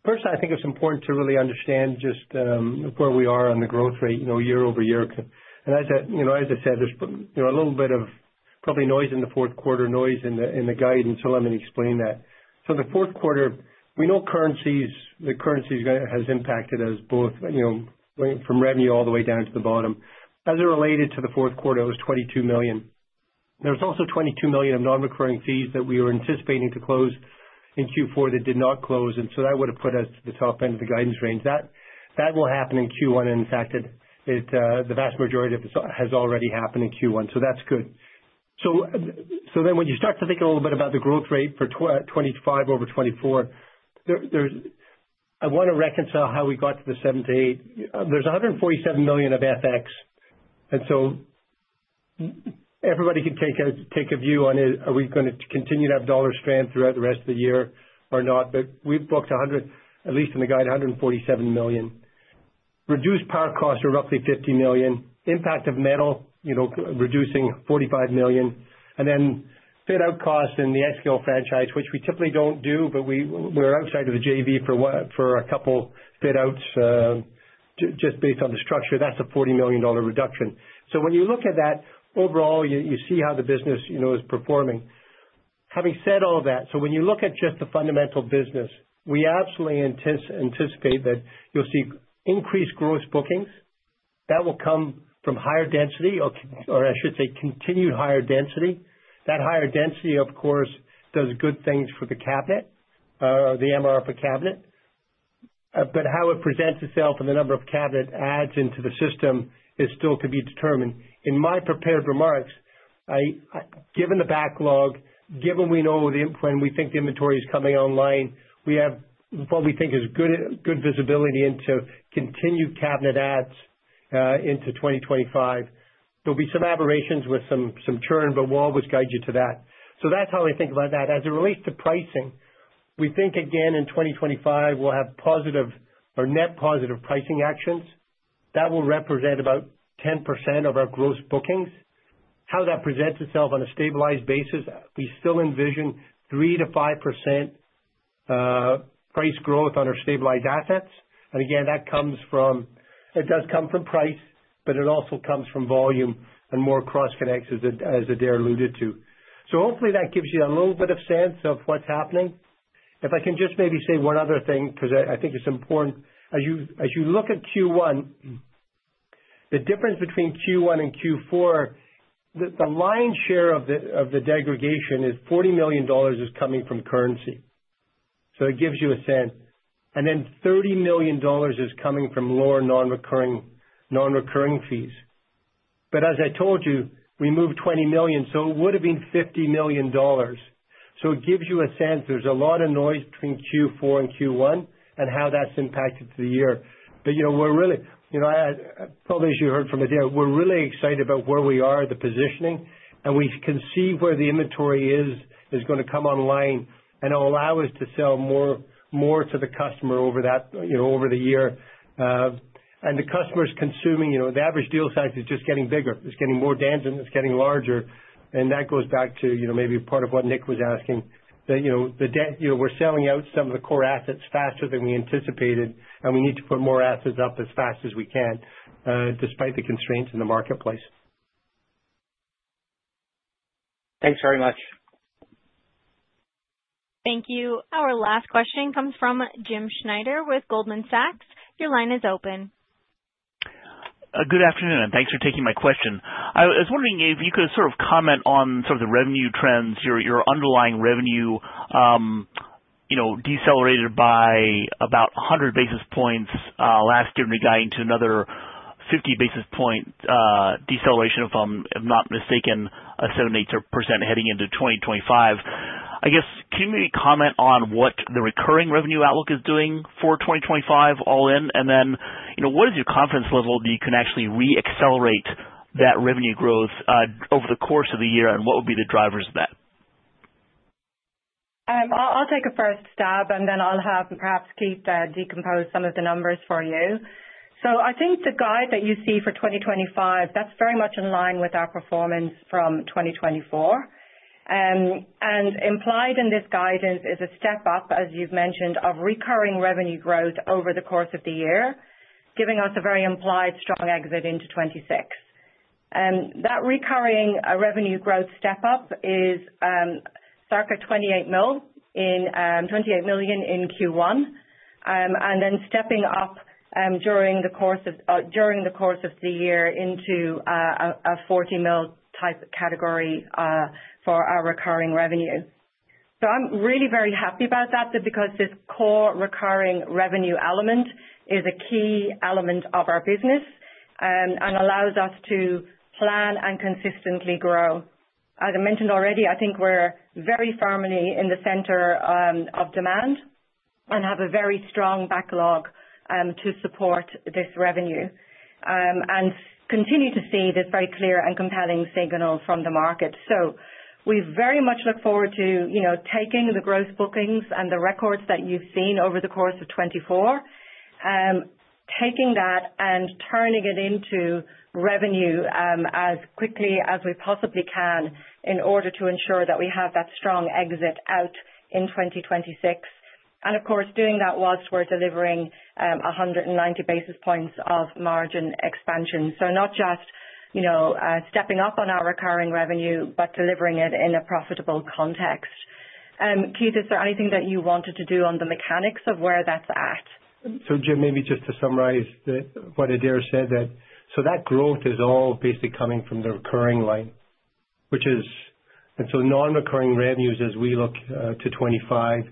First, I think it's important to really understand just where we are on the growth rate year over year. And as I said, there's a little bit of probably noise in the fourth quarter, noise in the guidance. So let me explain that. So the fourth quarter, we know currencies has impacted us both from revenue all the way down to the bottom. As it related to the fourth quarter, it was $22 million. There was also $22 million of non-recurring fees that we were anticipating to close in Q4 that did not close. That would have put us to the top end of the guidance range. That will happen in Q1, and in fact, the vast majority of it has already happened in Q1. That's good. Then when you start to think a little bit about the growth rate for 2025 over 2024, I want to reconcile how we got to the 7-8. There's $147 million of FX. Everybody can take a view on it. Are we going to continue to have dollar strength throughout the rest of the year or not? But we've booked at least in the guide $147 million. Reduced power costs are roughly $50 million. Impact of Metal reducing $45 million. Then fit-out costs in the xScale franchise, which we typically don't do, but we're outside of the JV for a couple fit-outs just based on the structure. That's a $40 million reduction. So when you look at that overall, you see how the business is performing. Having said all that, so when you look at just the fundamental business, we absolutely anticipate that you'll see increased gross bookings. That will come from higher density, or I should say continued higher density. That higher density, of course, does good things for the cabinet, the MRR per cabinet. But how it presents itself and the number of cabinet adds into the system still could be determined. In my prepared remarks, given the backlog, given we know when we think the inventory is coming online, we have what we think is good visibility into continued cabinet adds into 2025. There'll be some aberrations with some churn, but we'll always guide you to that. So that's how I think about that. As it relates to pricing, we think again in 2025, we'll have positive or net positive pricing actions. That will represent about 10% of our gross bookings. How that presents itself on a stabilized basis, we still envision 3%-5% price growth on our stabilized assets. And again, that comes from it does come from price, but it also comes from volume and more cross-connects as Adaire alluded to. So hopefully that gives you a little bit of sense of what's happening. If I can just maybe say one other thing because I think it's important. As you look at Q1, the difference between Q1 and Q4, the lion's share of the degradation is $40 million coming from currency. So it gives you a sense. And then $30 million is coming from lower non-recurring fees. But as I told you, we moved $20 million, so it would have been $50 million. So it gives you a sense. There's a lot of noise between Q4 and Q1 and how that's impacted the year. But we're really probably as you heard from Adaire, we're really excited about where we are at the positioning. And we can see where the inventory is going to come online and allow us to sell more to the customer over the year. And the customer's consuming the average deal size is just getting bigger. It's getting more dense and it's getting larger. And that goes back to maybe part of what Nick was asking. The debt, we're selling out some of the core assets faster than we anticipated, and we need to put more assets up as fast as we can despite the constraints in the marketplace. Thanks very much. Thank you. Our last question comes from Jim Schneider with Goldman Sachs. Your line is open. Good afternoon, and thanks for taking my question. I was wondering if you could sort of comment on sort of the revenue trends, your underlying revenue decelerated by about 100 basis points last year when we got into another 50 basis point deceleration from, if not mistaken, a 7%-8% heading into 2025. I guess, can you maybe comment on what the recurring revenue outlook is doing for 2025 all in? And then what is your confidence level that you can actually re-accelerate that revenue growth over the course of the year, and what would be the drivers of that? I'll take a first stab, and then I'll have perhaps Keith decompose some of the numbers for you. So I think the guide that you see for 2025, that's very much in line with our performance from 2024. And implied in this guidance is a step up, as you've mentioned, of recurring revenue growth over the course of the year, giving us a very implied strong exit into 2026. That recurring revenue growth step up is circa $28 million in Q1, and then stepping up during the course of the year into a $40-million type category for our recurring revenue. So I'm really very happy about that because this core recurring revenue element is a key element of our business and allows us to plan and consistently grow. As I mentioned already, I think we're very firmly in the center of demand and have a very strong backlog to support this revenue and continue to see this very clear and compelling signal from the market. We very much look forward to taking the gross bookings and the records that you've seen over the course of 2024, taking that and turning it into revenue as quickly as we possibly can in order to ensure that we have that strong exit out in 2026. And of course, doing that while we're delivering 190 basis points of margin expansion. So not just stepping up on our recurring revenue, but delivering it in a profitable context. Keith, is there anything that you wanted to do on the mechanics of where that's at? Jim, maybe just to summarize what Adaire said, that growth is all basically coming from the recurring line, which is, and so non-recurring revenues as we look to 2025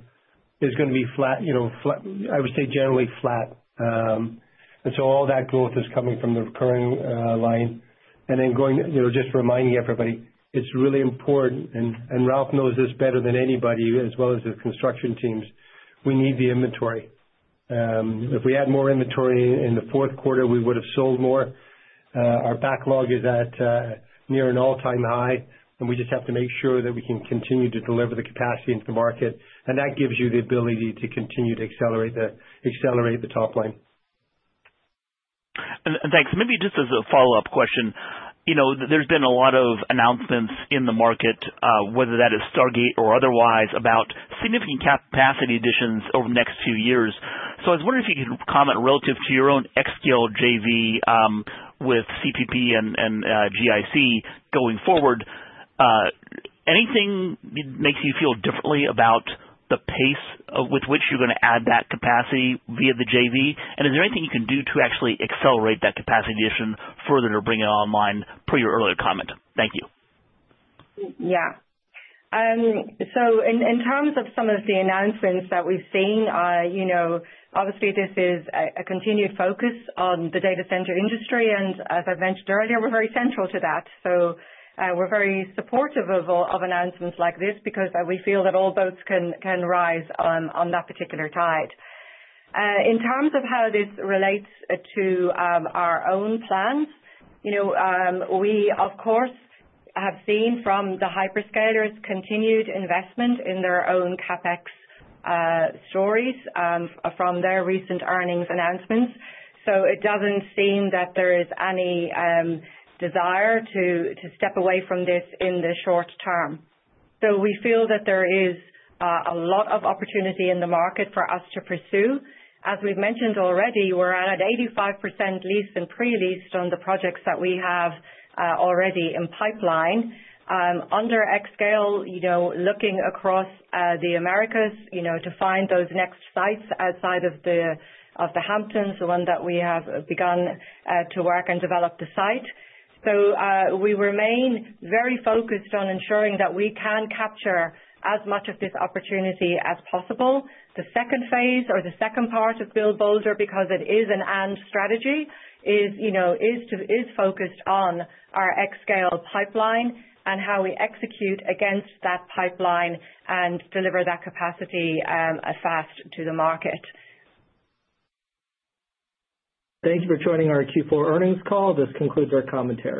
is going to be flat, I would say generally flat. And so all that growth is coming from the recurring line. And then just reminding everybody, it's really important, and Ralph knows this better than anybody as well as the construction teams. We need the inventory. If we had more inventory in the fourth quarter, we would have sold more. Our backlog is at near an all-time high, and we just have to make sure that we can continue to deliver the capacity into the market. And that gives you the ability to continue to accelerate the top line. Thanks. Maybe just as a follow-up question, there's been a lot of announcements in the market, whether that is Stargate or otherwise, about significant capacity additions over the next few years. So I was wondering if you could comment relative to your own xScale JV with CPP and GIC going forward. Anything that makes you feel differently about the pace with which you're going to add that capacity via the JV? And is there anything you can do to actually accelerate that capacity addition further to bring it online per your earlier comment? Thank you. Yeah. So in terms of some of the announcements that we've seen, obviously, this is a continued focus on the data center industry. And as I've mentioned earlier, we're very central to that. So we're very supportive of announcements like this because we feel that all boats can rise on that particular tide. In terms of how this relates to our own plans, we, of course, have seen from the hyperscalers continued investment in their own CapEx stories from their recent earnings announcements. So it doesn't seem that there is any desire to step away from this in the short term. So we feel that there is a lot of opportunity in the market for us to pursue. As we've mentioned already, we're at 85% lease and pre-lease on the projects that we have already in pipeline. Under xScale, looking across the Americas to find those next sites outside of the Hamptons', the one that we have begun to work and develop the site. So we remain very focused on ensuring that we can capture as much of this opportunity as possible. The phase II or the second part of Build Bolder, because it is an and strategy, is focused on our xScale pipeline and how we execute against that pipeline and deliver that capacity fast to the market. Thank you for joining our Q4 earnings call. This concludes our commentary.